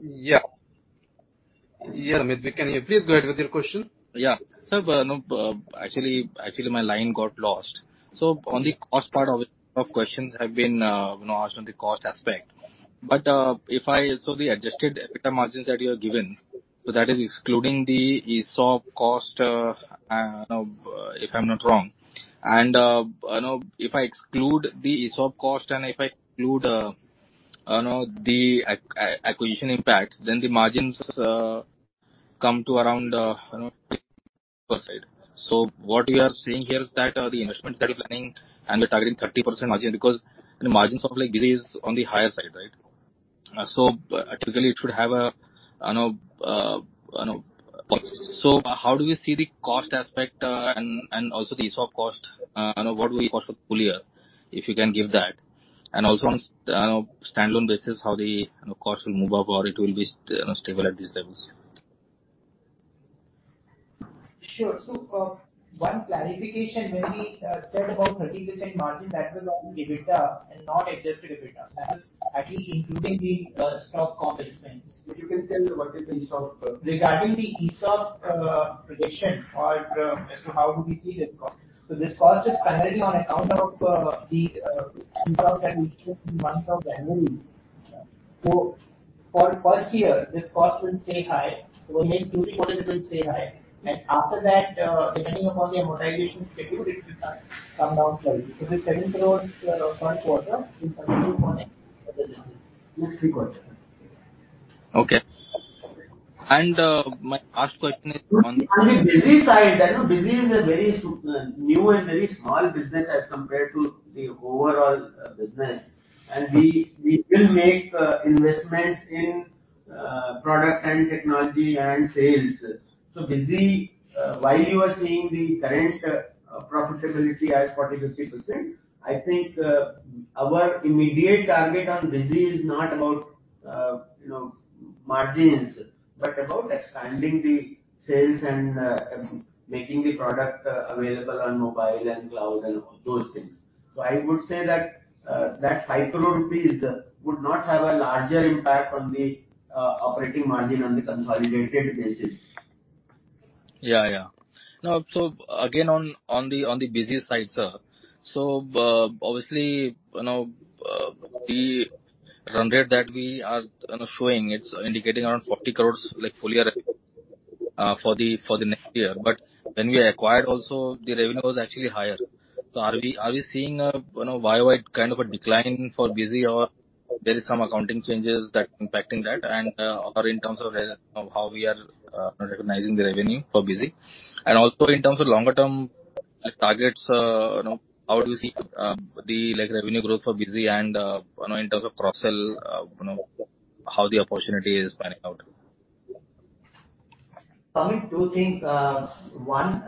Yeah. Yeah, Amit, we can hear. Please go ahead with your question. No, actually, my line got lost. On the cost part of it, a lot of questions have been, you know, asked on the cost aspect. The adjusted EBITDA margins that you have given, so that is excluding the ESOP cost, and if I'm not wrong. If I exclude the ESOP cost and if I include, you know, the acquisition impact, then the margins come to around, you know per side. What we are seeing here is that, the investments that you're planning and you're targeting 30% margin because the margins of, like, this is on the higher side, right? Typically it should have a, you know. How do you see the cost aspect, and also the ESOP cost, and what will the cost look full year, if you can give that? On standalone basis, how the cost will move up or it will be, you know, stable at these levels. Sure. One clarification. When we said about 30% margin, that was on EBITDA and not adjusted EBITDA. That was at least including the stock comp expense. If you can tell what is the ESOP- Regarding the ESOP, as to how we see this cost. This cost is primarily on account of the grant that we took in the month of January. For first year, this cost will stay high. In next two, three quarters it will stay high. After that, depending upon the amortization schedule, it will start come down slowly. It will come down to around first quarter in 2020 for the next. Next three quarters. Okay. My last question is on the- On the Bizongo side, you know, Bizongo is a very new and very small business as compared to the overall business. We will make investments in product and technology and sales. Bizongo, while you are seeing the current profitability as 40%-50%, I think our immediate target on Bizongo is not about you know, margins, but about expanding the sales and making the product available on mobile and cloud and all those things. I would say that 5 crore rupees would not have a larger impact on the operating margin on the consolidated basis. Yeah, yeah. Now again, on the Bizongo side, sir. Obviously, you know, the run rate that we are, you know, showing it's indicating around 40 crore, like full year for the next year. But when we acquired also, the revenue was actually higher. Are we seeing a YoY kind of a decline for Bizongo or there is some accounting changes that impacting that and or in terms of of how we are recognizing the revenue for Bizongo? And also in terms of longer term, like targets, you know, how do you see the like revenue growth for Bizongo and you know in terms of cross-sell you know how the opportunity is panning out? Amit, two things. One,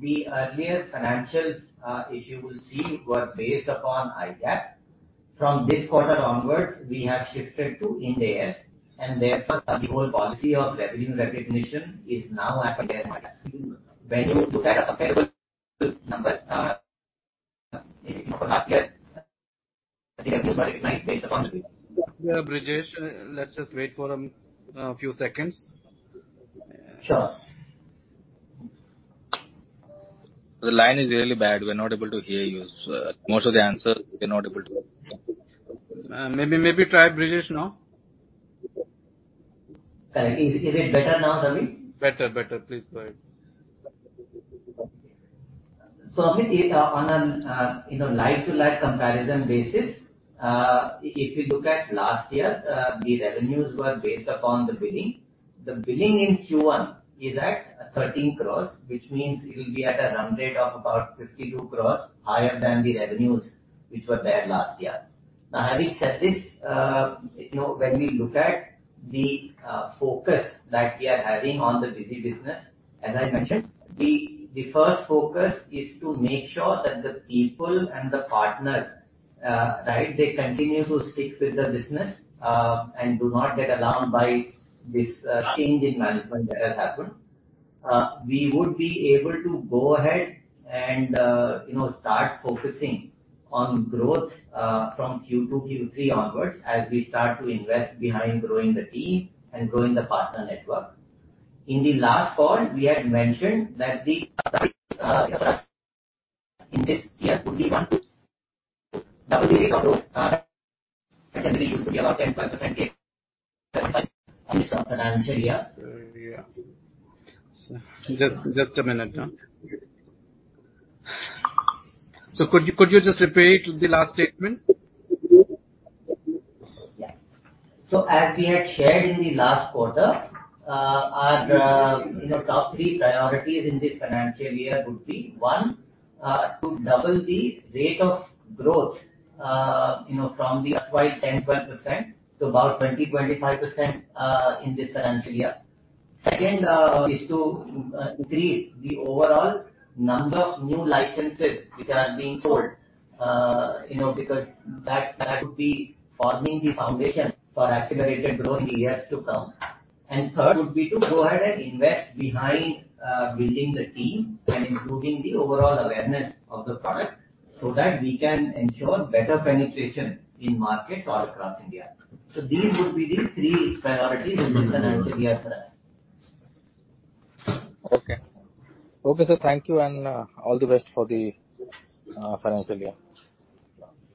the earlier financials, if you will see, were based upon Indian GAAP. From this quarter onwards, we have shifted to Ind AS, and therefore the whole policy of revenue recognition is now as per Ind AS. When you look at a comparable number, last year based upon the- Yeah, Brijesh, let's just wait for a few seconds. Sure. The line is really bad. We're not able to hear you, sir. Most of the answer we're not able to. Maybe try Brijesh now. Sorry. Is it better now, Ravi? Better, better. Please go ahead. Amit, if on a you know like-for-like comparison basis, if you look at last year, the revenues were based upon the billing. The billing in Q1 is at 13 crore, which means it will be at a run rate of about 52 crore higher than the revenues which were there last year. Now, having said this, you know, when we look at the focus that we are having on the Busy business, as I mentioned, the first focus is to make sure that the people and the partners right, they continue to stick with the business and do not get alarmed by this change in management that has happened. We would be able to go ahead and, you know, start focusing on growth from Q2, Q3 onwards as we start to invest behind growing the team and growing the partner network. In the last call, we had mentioned that in this year would be double the rate of growth, potentially used to be about 10.5% this financial year. Yeah. Just a minute, yeah. Could you just repeat the last statement? Yeah. As we had shared in the last quarter, our, you know, top three priorities in this financial year would be, one, to double the rate of growth, you know, from the erstwhile 10%-12% to about 20%-25%, in this financial year. Second, is to increase the overall number of new licenses which are being sold, you know, because that would be forming the foundation for accelerated growth in the years to come. Third would be to go ahead and invest behind building the team and improving the overall awareness of the product so that we can ensure better penetration in markets all across India. These would be the three priorities in this financial year for us. Okay. Okay, sir. Thank you and all the best for the financial year.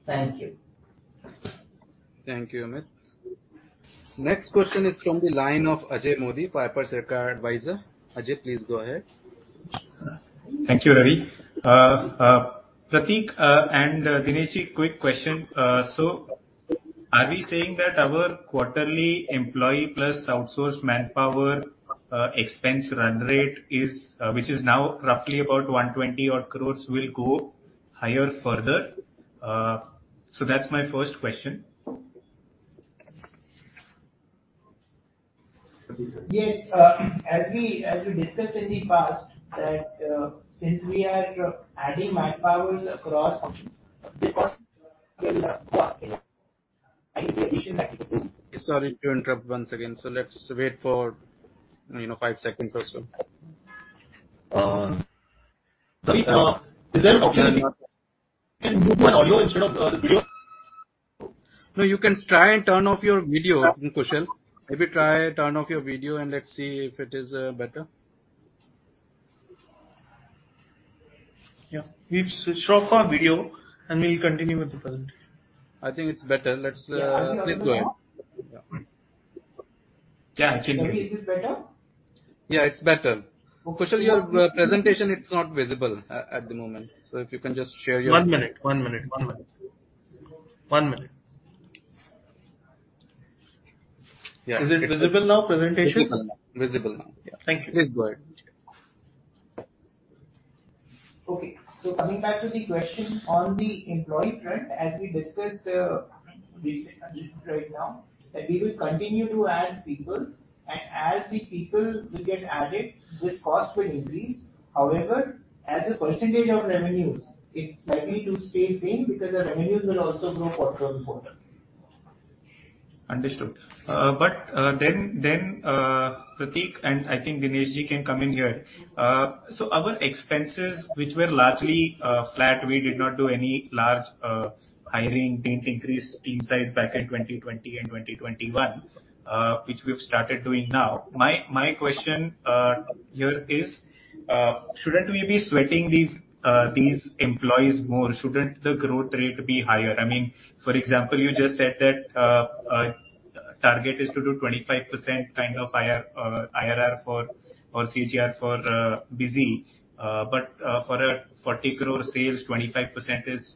Thank you. Thank you, Amit. Next question is from the line of Ajay Modi, Piper Serica Advisors. Ajay, please go ahead. Thank you, Ravi. Prateek and Dinesh, quick question. Are we saying that our quarterly employee plus outsourced manpower expense run rate is, which is now roughly about 120-odd crore, will go higher further? That's my first question. Yes. As we discussed in the past that since we are adding manpower across I think we should. Sorry to interrupt once again. Let's wait for, you know, 5 seconds or so. Is there an option I can move my audio instead of this video? No, you can try and turn off your video, Kushal. Maybe try turn off your video, and let's see if it is, better. Yeah. We've switched off our video, and we'll continue with the presentation. I think it's better. Let's please go ahead. Yeah, actually. Maybe is this better? Yeah, it's better. Kushal, your presentation, it's not visible at the moment, so if you can just share your. One minute. Yeah. Is it visible now, presentation? Visible now. Thank you. Please go ahead. Okay. Coming back to the question on the employee front, as we discussed, recently, right now, that we will continue to add people, and as the people will get added, this cost will increase. However, as a percentage of revenues, it's likely to stay same because the revenues will also grow quarter-on-quarter. Understood. Prateek and I think Dinesh can come in here. Our expenses, which were largely flat, we did not do any large hiring, didn't increase team size back in 2020 and 2021, which we've started doing now. My question here is, shouldn't we be sweating these employees more? Shouldn't the growth rate be higher? I mean, for example, you just said that target is to do 25% kind of IR, IRR for or CAGR for Busy. For a 40 crore sales, 25%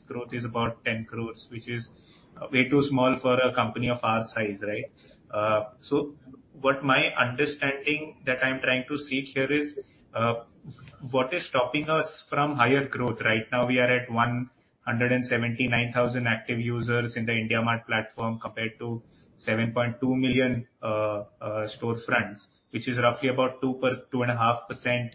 growth is about 10 crore, which is way too small for a company of our size, right? What my understanding that I'm trying to seek here is, what is stopping us from higher growth? Right now, we are at 179,000 active users in the IndiaMART platform compared to 7.2 million storefronts, which is roughly about 2%-2.5%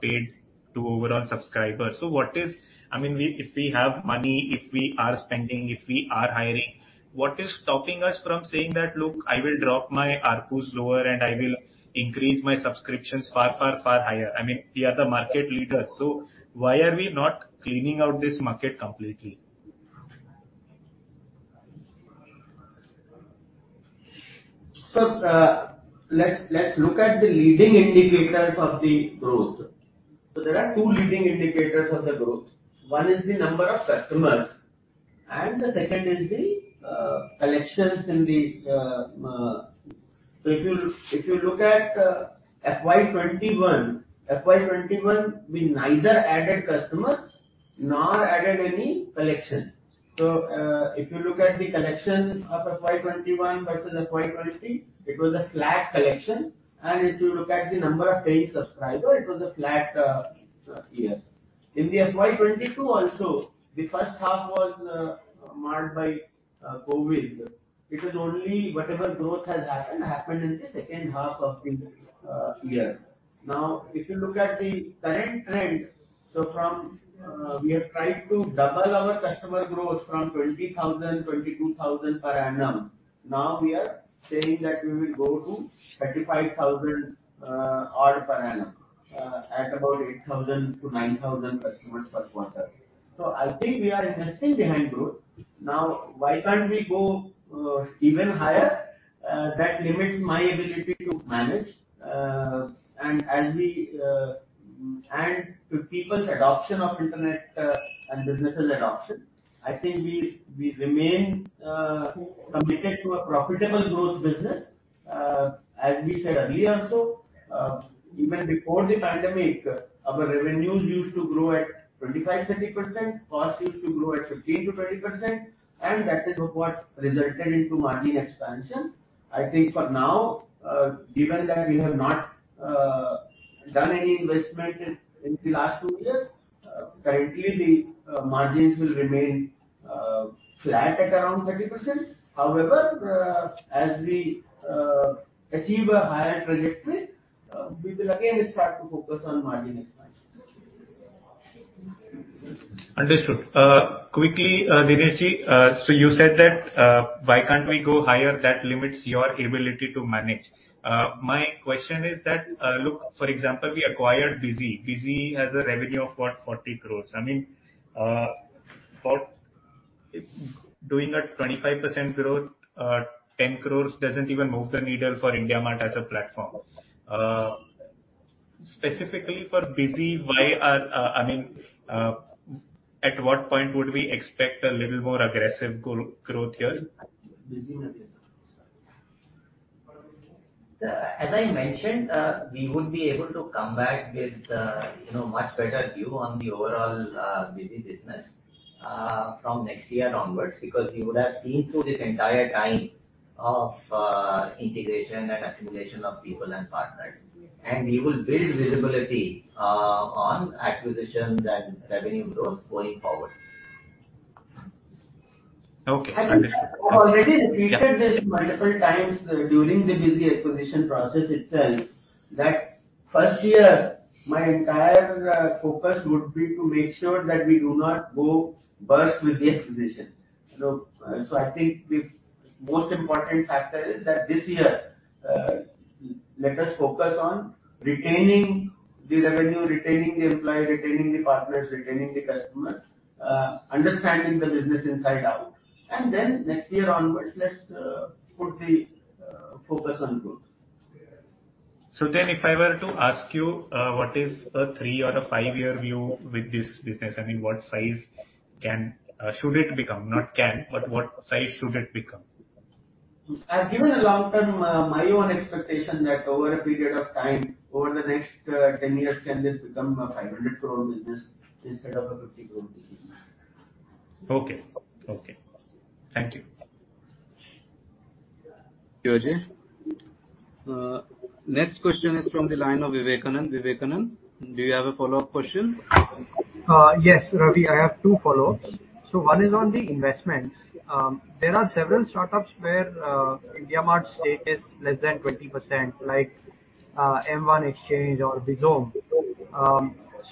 paid to overall subscribers. What is I mean, if we have money, if we are spending, if we are hiring, what is stopping us from saying that, "Look, I will drop my ARPU lower, and I will increase my subscriptions far, far, far higher." I mean, we are the market leaders, so why are we not cleaning out this market completely? Let's look at the leading indicators of the growth. There are two leading indicators of the growth. One is the number of customers, and the second is the collections. If you look at FY 2021, we neither added customers nor added any collection. If you look at the collection of FY 2021 versus FY 2020, it was a flat collection. If you look at the number of paying subscriber, it was a flat years. In the FY 2022 also, the first half was marred by COVID. It was only whatever growth has happened in the second half of the year. Now, if you look at the current trend, so from, we have tried to double our customer growth from 20,000-22,000 per annum. Now we are saying that we will go to 35,000 odd per annum at about 8,000-9,000 customers per quarter. I think we are investing behind growth. Now, why can't we go even higher? That limits my ability to manage due to people's adoption of internet and businesses adoption. I think we remain committed to a profitable growth business. As we said earlier also, even before the pandemic, our revenues used to grow at 25%-30%. Costs used to grow at 15%-20%, and that is what resulted into margin expansion. I think for now, given that we have not done any investment in the last two years, currently the margins will remain flat at around 30%. However, as we achieve a higher trajectory, we will again start to focus on margin expansion. Understood. Quickly, Dinesh Agarwal, so you said that, why can't we go higher? That limits your ability to manage. My question is that, look, for example, we acquired Busy. Busy has a revenue of what? 40 crore. I mean, for doing a 25% growth, 10 crore doesn't even move the needle for IndiaMART as a platform. Specifically for Busy, why are, I mean, at what point would we expect a little more aggressive growth here? Busy As I mentioned, we would be able to come back with a, you know, much better view on the overall, Busy business, from next year onwards. Because we would have seen through this entire time of, integration and assimilation of people and partners. We will build visibility, on acquisitions and revenue growth going forward. Okay. Understood. I think I've already repeated this multiple times during the Busy acquisition process itself that first year, my entire focus would be to make sure that we do not go bust with the acquisition. You know, so I think the most important factor is that this year, let us focus on retaining the revenue, retaining the employee, retaining the partners, retaining the customers, understanding the business inside out. Next year onward, let's put the focus on growth. If I were to ask you, what is a three or five year view with this business? I mean, what size should it become? Not can, but what size should it become? I've given a long-term, my own expectation that over a period of time, over the next 10 years, can this become a 500 crore business instead of a 50 crore business. Okay. Thank you. Thank you, Ajay. Next question is from the line of Vivek Kumar. Vivek Kumar do you have a follow-up question? Yes, Ravi, I have two follow-ups. One is on the investments. There are several startups where IndiaMART's stake is less than 20%, like M1xchange or Bizongo.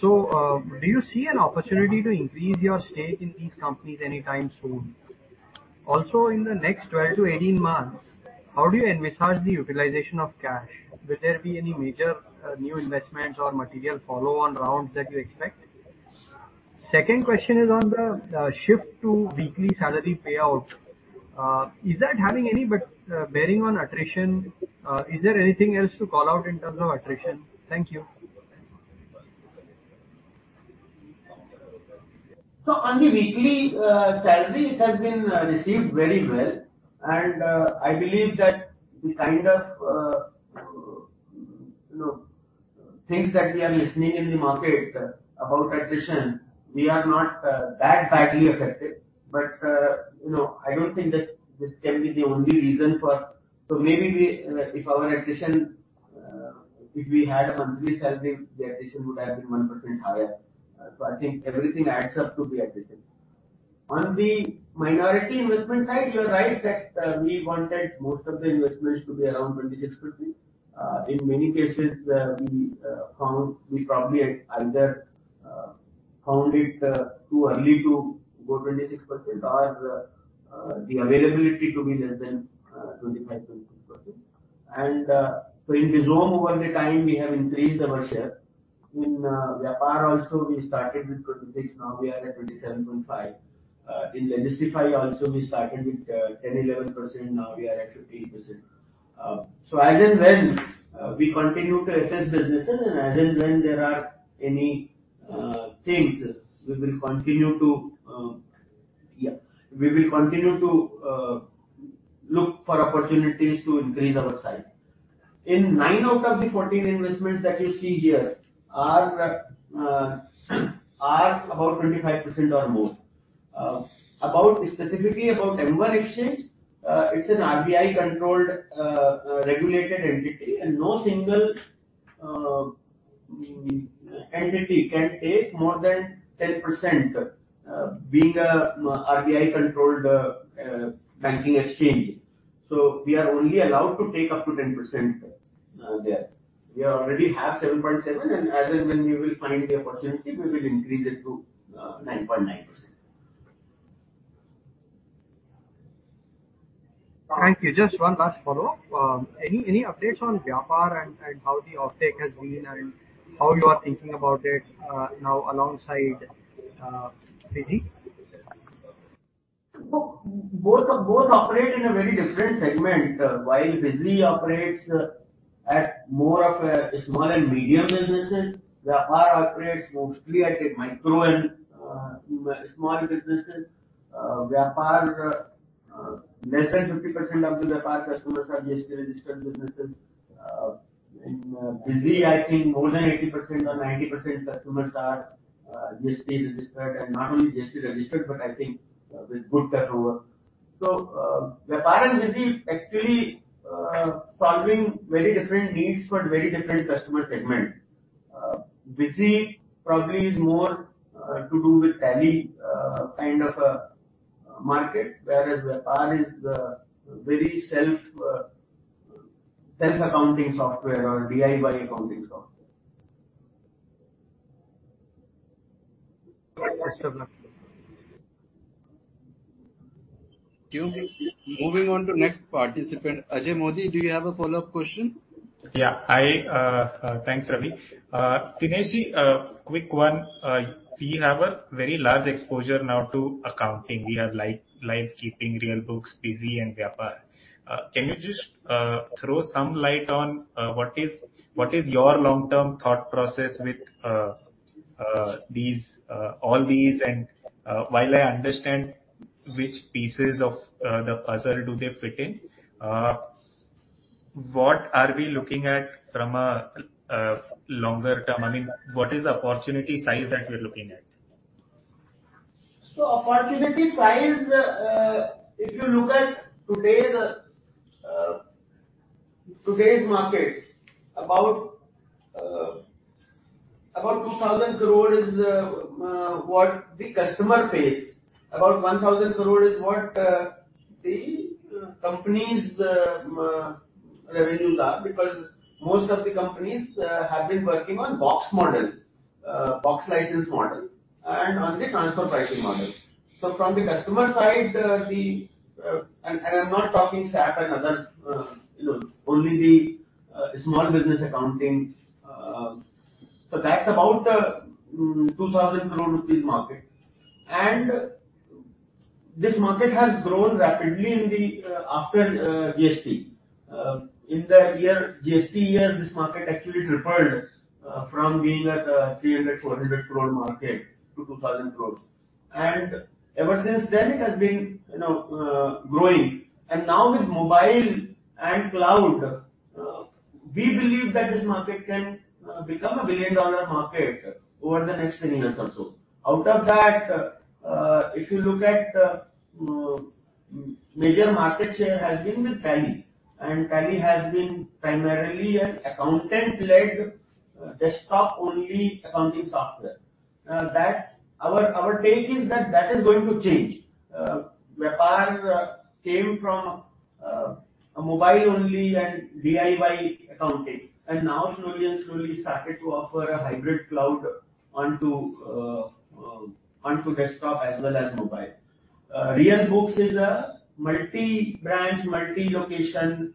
Do you see an opportunity to increase your stake in these companies anytime soon? Also, in the next 12-18 months, how do you envisage the utilization of cash? Will there be any major new investments or material follow-on rounds that you expect? Second question is on the shift to weekly salary payout. Is that having any bearing on attrition? Is there anything else to call out in terms of attrition? Thank you. On the weekly salary, it has been received very well, and I believe that the kind of you know things that we are hearing in the market about attrition, we are not that badly affected. You know, I don't think this can be the only reason. Maybe if we had a monthly salary, the attrition would have been 1% higher. I think everything adds up to the attrition. On the minority investment side, you're right that we wanted most of the investments to be around 26%. In many cases, we found it probably either too early to go 26% or the availability to be less than 25%-26%. In Bizongo over time, we have increased our share. In Vyapar also, we started with 26, now we are at 27.5. In Legistify also, we started with 10, 11 percent, now we are at 15%. As and when we continue to assess businesses and as and when there are any things, we will continue to look for opportunities to increase our size. In nine out of the 14 investments that you see here are about 25% or more. Specifically about M1xchange, it's an RBI-controlled regulated entity, and no single entity can take more than 10%, being an RBI-controlled banking exchange. We are only allowed to take up to 10% there. We already have 7.7%, and as and when we will find the opportunity, we will increase it to 9.9%. Thank you. Just one last follow-up. Any updates on Vyapar and how the uptake has been and how you are thinking about it now alongside Busy? Look, both operate in a very different segment. While Busy operates at more of a small and medium businesses, Vyapar operates mostly at a micro and small businesses. Vyapar, less than 50% of the Vyapar customers are GST registered businesses. In Busy, I think more than 80% or 90% customers are GST registered, and not only GST registered, but I think with good turnover. Vyapar and Busy actually solving very different needs for very different customer segment. Busy probably is more to do with Tally kind of a market, whereas Vyapar is very self-accounting software or DIY accounting software. Right. That's all now. Thank you. Moving on to next participant. Ajay Modi, do you have a follow-up question? Yeah. Thanks, Ravi. Dinesh, a quick one. You have a very large exposure now to accounting. We have LiveKeeping, RealBooks, Busy and Vyapar. Can you just throw some light on what is your long-term thought process with all these and while I understand which pieces of the puzzle do they fit in, what are we looking at from a longer term? I mean, what is the opportunity size that we're looking at? Opportunity size, if you look at today's market about 2,000 crore is what the customer pays. About 1,000 crore is what the company's revenues are, because most of the companies have been working on box model, box license model and on the transfer pricing model. From the customer side, the. I'm not talking SAP and other, you know, only the small business accounting. That's about 2,000 crore rupees market. This market has grown rapidly in the after GST. In the GST year, this market actually tripled from being at a 300-400 crore market to 2,000 crore. Ever since then, it has been, you know, growing. Now with mobile and cloud, we believe that this market can become a billion-dollar market over the next 10 years or so. Out of that, if you look at major market share has been with Tally, and Tally has been primarily an accountant-led, desktop-only accounting software. Our take is that that is going to change. Vyapar came from a mobile-only and DIY accounting, and now slowly started to offer a hybrid cloud onto desktop as well as mobile. RealBooks is a multi-branch, multi-location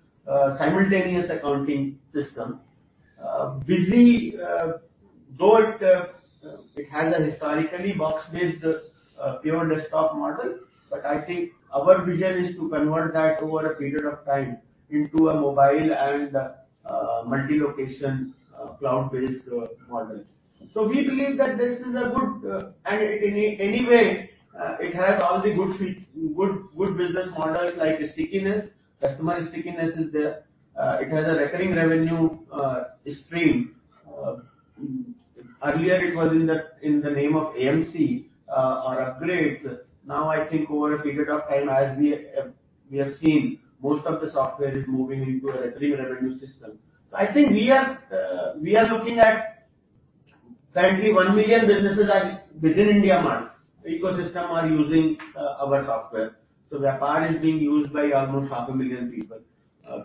simultaneous accounting system. Busy though it has a historically box-based pure desktop model, but I think our vision is to convert that over a period of time into a mobile and multi-location cloud-based model. We believe that this is a good business model like stickiness. Customer stickiness is there. It has a recurring revenue stream. Earlier it was in the name of AMC or upgrades. Now, I think over a period of time, as we have seen, most of the software is moving into a recurring revenue system. I think we are looking at currently 1 million businesses within IndiaMART ecosystem are using our software. Vyapar is being used by almost half a million people.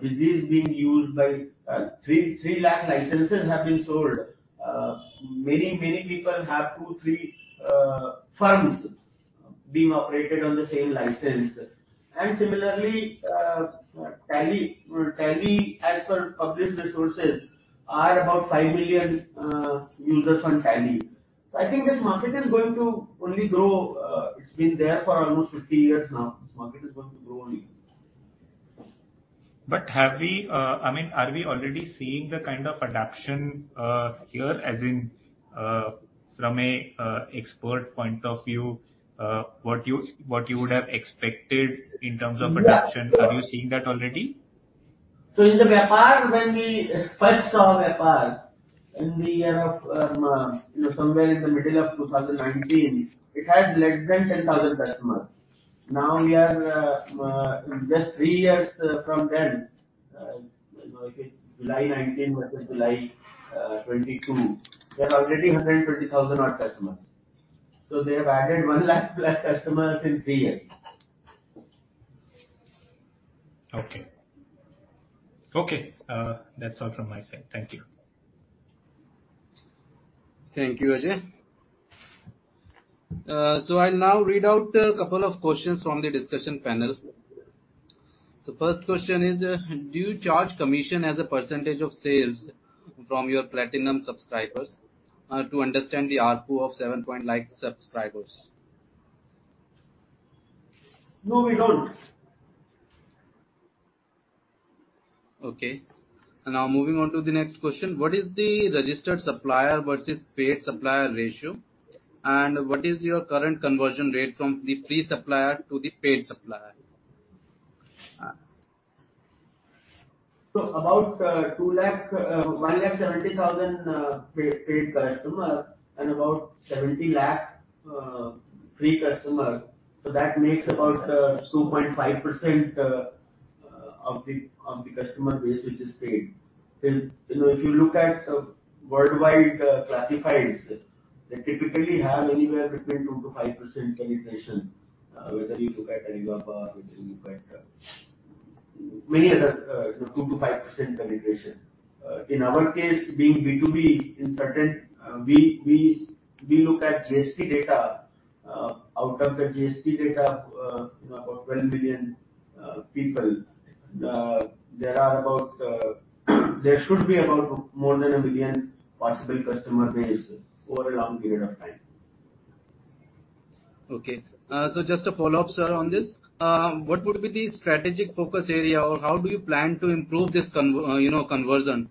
Busy is being used by 3 lakh licenses have been sold. Many people have two, three firms being operated on the same license. Similarly, Tally. Tally, as per published resources, are about 5 million users on Tally. I think this market is going to only grow. It's been there for almost 50 years now. This market is going to grow only. Have we, I mean, are we already seeing the kind of adoption here, as in, from an expert point of view, what you would have expected in terms of adoption? Yeah. Are you seeing that already? In Vyapar, when we first saw Vyapar in the year, you know, somewhere in the middle of 2019, it had less than 10,000 customers. Now we are just three years from then, you know, if it's July 2019 versus July 2022, we have already 120,000 odd customers. They have added 1 lakh plus customers in three years. Okay. Okay, that's all from my side. Thank you. Thank you, Ajay. I'll now read out a couple of questions from the discussion panel. First question is, do you charge commission as a percentage of sales from your Platinum subscribers, to understand the ARPU of 7 point-like subscribers? No, we don't. Okay. Now moving on to the next question. What is the registered supplier versus paid supplier ratio? What is your current conversion rate from the free supplier to the paid supplier? about 2 lakh, 1 lakh 70,000 paid customer and about 70 lakh free customer, so that makes about 2.5% of the customer base which is paid. You know, if you look at worldwide classifieds, they typically have anywhere between 2%-5% penetration. Whether you look at Alibaba, whether you look at many other, you know, 2%-5% penetration. In our case, being B2B in certain, we looked at GST data. Out of the GST data, you know, about 12 million people, there should be about more than 1 million possible customer base over a long period of time. Okay. Just a follow-up, sir, on this. What would be the strategic focus area or how do you plan to improve this, you know, conversion?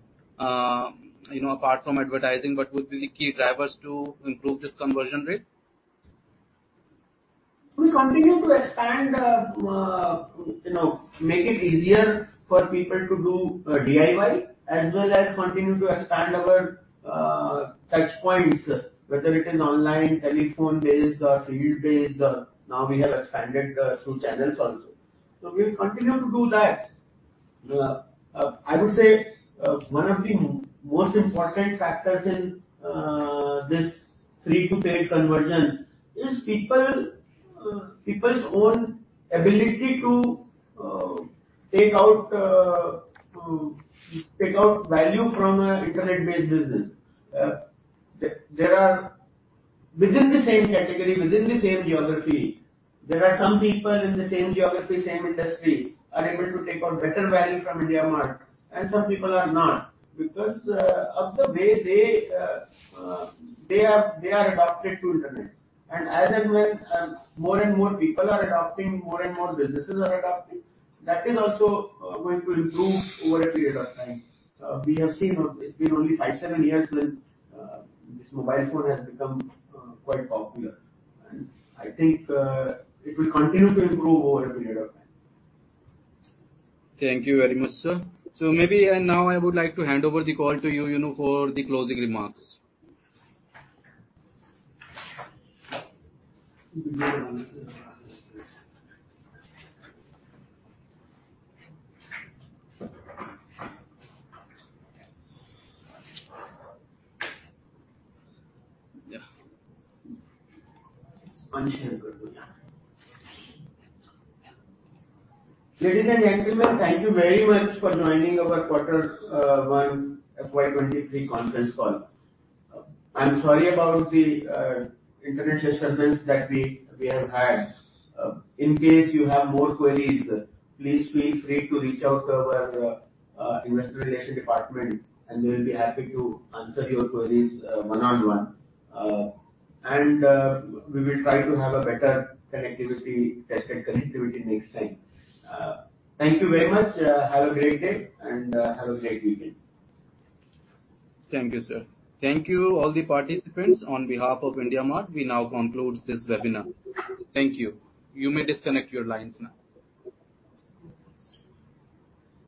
You know, apart from advertising, what would be the key drivers to improve this conversion rate? We continue to expand, you know, make it easier for people to do DIY as well as continue to expand our touchpoints, whether it is online, telephone-based or field-based. Now we have expanded through channels also. We'll continue to do that. I would say one of the most important factors in this free to paid conversion is people's own ability to take out value from an internet-based business. There are within the same category, within the same geography, some people in the same geography, same industry, are able to take out better value from IndiaMART, and some people are not because of the way they have they are adapted to internet. As and when more and more people are adopting, more and more businesses are adopting, that is also going to improve over a period of time. We have seen it's been only five-seven years when this mobile phone has become quite popular. I think it will continue to improve over a period of time. Thank you very much, sir. Maybe, and now I would like to hand over the call to you know, for the closing remarks. Ladies and gentlemen, thank you very much for joining our quarter one FY 2023 conference call. I'm sorry about the internet disturbance that we have had. In case you have more queries, please feel free to reach out to our investor relations department, and we'll be happy to answer your queries one on one. We will try to have a better, tested connectivity next time. Thank you very much. Have a great day, and have a great weekend. Thank you, sir. Thank you, all the participants. On behalf of IndiaMART, we now conclude this webinar. Thank you. You may disconnect your lines now.